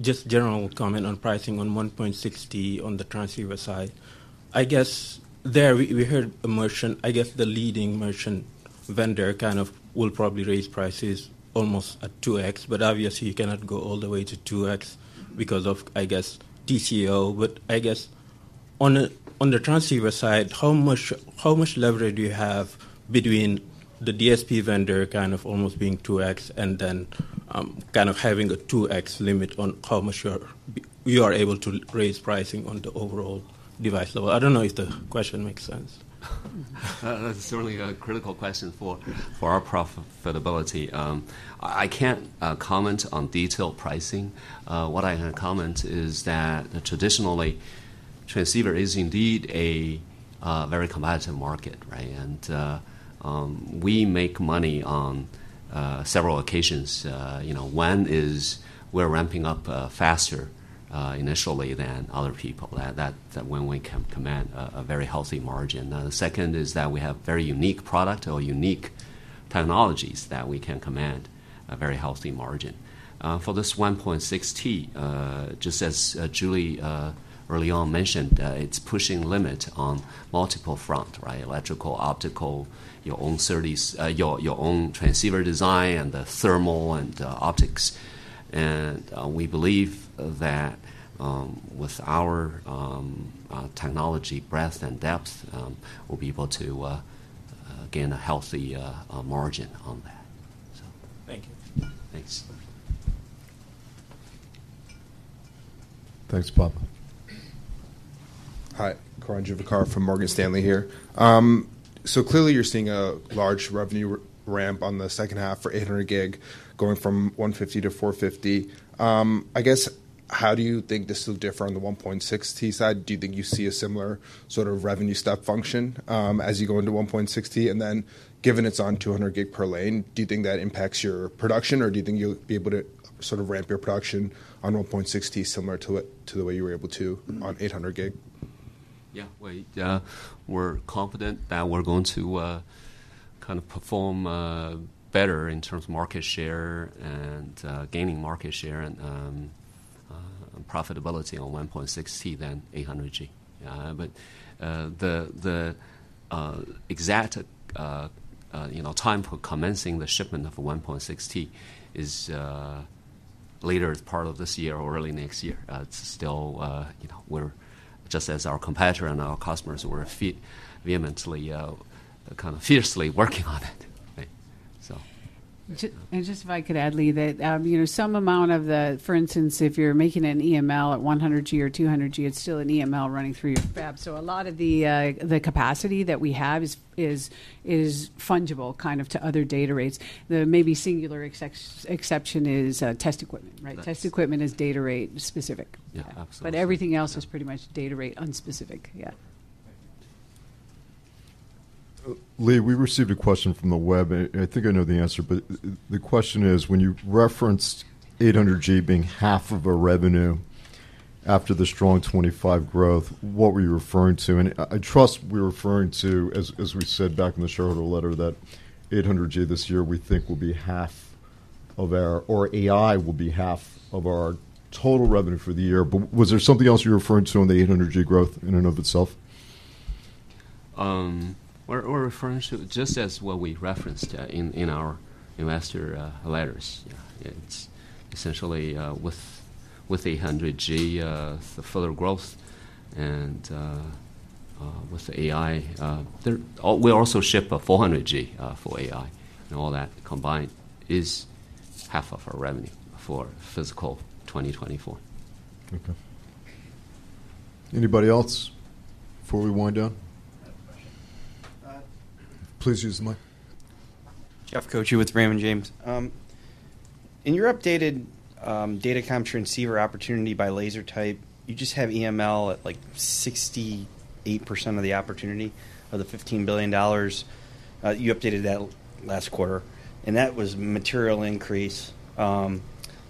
just general comment on pricing on 1.6T on the transceiver side. I guess there we heard a merchant, I guess, the leading merchant vendor kind of will probably raise prices almost at 2x, but obviously, you cannot go all the way to 2x because of, I guess, TCO. But I guess on the transceiver side, how much leverage do you have between the DSP vendor kind of almost being 2x and then kind of having a 2x limit on how much you're able to raise pricing on the overall device level? I don't know if the question makes sense. That's certainly a critical question for our profitability. I can't comment on detailed pricing. What I can comment is that traditionally, transceiver is indeed a very competitive market, right? And we make money on several occasions. You know, one is we're ramping up faster initially than other people. That when we can command a very healthy margin. The second is that we have very unique product or unique technologies that we can command a very healthy margin. For this 1.6T, just as Julie early on mentioned, it's pushing limit on multiple front, right? Electrical, optical, your own SerDes, your own transceiver design, and the thermal and optics. We believe that with our technology breadth and depth, we'll be able to gain a healthy margin on that. Thank you. Thanks. Thanks, Papa. Hi, Karan Juvekar from Morgan Stanley here. So clearly you're seeing a large revenue ramp on the second half for 800G, going from $150-$450. I guess, how do you think this will differ on the 1.6T side? Do you think you see a similar sort of revenue step function, as you go into 1.6T? And then, given it's on 200G per lane, do you think that impacts your production, or do you think you'll be able to sort of ramp your production on 1.6T, similar to the way you were able to on 800G? Yeah, well, yeah, we're confident that we're going to kind of perform better in terms of market share and gaining market share and profitability on 1.6T than 800G. But the exact, you know, time for commencing the shipment of a 1.6T is later as part of this year or early next year. It's still, you know, we're just as our competitor and our customers were feat- vehemently kind of fiercely working on it. Just if I could add, Lee, that, you know, some amount of the. For instance, if you're making an EML at 100G or 200G, it's still an EML running through your fab. So a lot of the capacity that we have is fungible, kind of, to other data rates. The maybe singular exception is test equipment, right? Right. Test equipment is data rate specific. Yeah, absolutely. Everything else is pretty much data rate unspecific. Yeah. Thank you. Lee, we received a question from the web, and I think I know the answer, but the question is: When you referenced 800G being half of a revenue after the strong 25% growth, what were you referring to? And I trust we're referring to, as we said back in the shareholder letter, that 800G this year, we think will be half of our-- or AI will be half of our total revenue for the year. But was there something else you were referring to on the 800G growth in and of itself? We're referring to just as what we referenced in our investor letters. Yeah. It's essentially with 800G further growth and with the AI there. We also ship a 400G for AI, and all that combined is half of our revenue for fiscal 2024. Okay. Anybody else before we wind down? I have a question. Please use the mic. Jeff Koche with Raymond James. In your updated Datacom transceiver opportunity by laser type, you just have EML at, like, 68% of the opportunity of the $15 billion. You updated that last quarter, and that was material increase.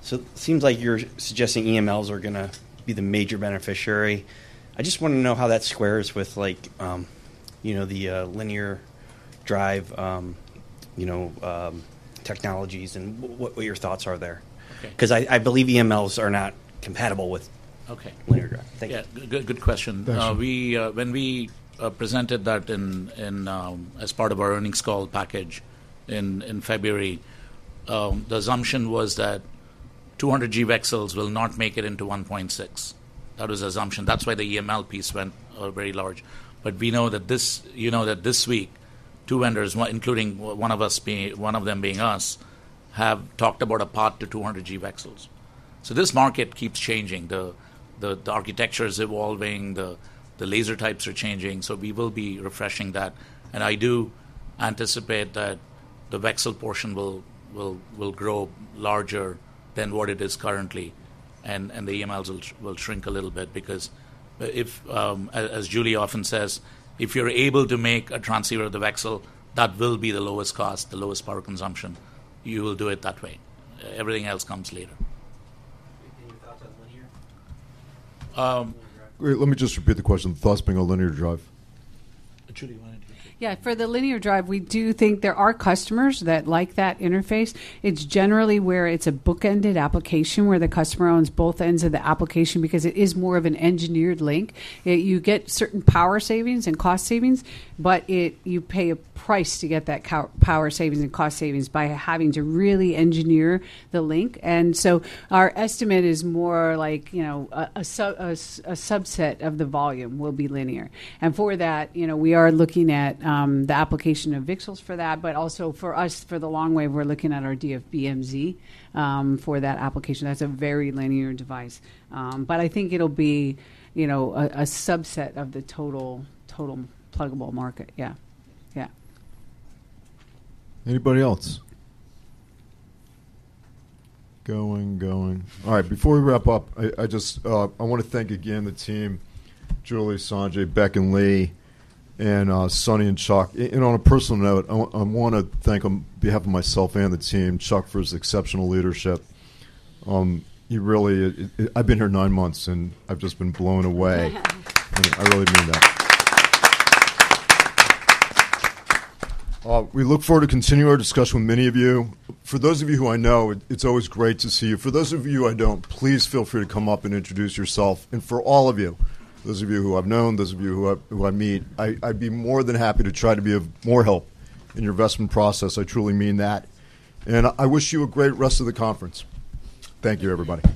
So seems like you're suggesting EMLs are gonna be the major beneficiary. I just want to know how that squares with, like, you know, the linear drive, you know, technologies and what your thoughts are there? Okay. 'Cause I believe EMLs are not compatible with. Okay. Linear drive. Thank you. Yeah. Good, good question. Thanks. When we presented that in as part of our earnings call package in February, the assumption was that 200G EMLs will not make it into 1.6T. That was the assumption. That's why the EML piece went very large. But we know that this—you know that this week, two vendors, one including one of us being—one of them being us, have talked about a path to 200G EMLs. So this market keeps changing. The architecture is evolving, the laser types are changing, so we will be refreshing that. I do anticipate that the VCSEL portion will grow larger than what it is currently, and the EMLs will shrink a little bit because as Julie often says: "If you're able to make a transceiver of the VCSEL, that will be the lowest cost, the lowest power consumption. You will do it that way. Everything else comes later. Any thoughts on linear? Wait, let me just repeat the question: Thoughts being a linear drive. Julie, you want to take it? Yeah, for the linear drive, we do think there are customers that like that interface. It's generally where it's a book-ended application, where the customer owns both ends of the application because it is more of an engineered link. You get certain power savings and cost savings, but you pay a price to get that power savings and cost savings by having to really engineer the link. Our estimate is more like, you know, a subset of the volume will be linear. And for that, you know, we are looking at the application of VCSELs for that, but also for us, for the long wave, we're looking at our DFB-MZ for that application. That's a very linear device. But I think it'll be, you know, a subset of the total pluggable market. Yeah. Yeah. Anybody else? Going, going. All right, before we wrap up, I just wanna thank again the team, Julie, Sanjai, Beck, and Lee, and Sunny and Chuck. On a personal note, I wanna thank them, on behalf of myself and the team, Chuck, for his exceptional leadership. You really... I've been here nine months, and I've just been blown away. And I really mean that. We look forward to continuing our discussion with many of you. For those of you who I know, it's always great to see you. For those of you I don't, please feel free to come up and introduce yourself. And for all of you, those of you who I've known, those of you who I meet, I'd be more than happy to try to be of more help in your investment process. I truly mean that, and I wish you a great rest of the conference. Thank you, everybody.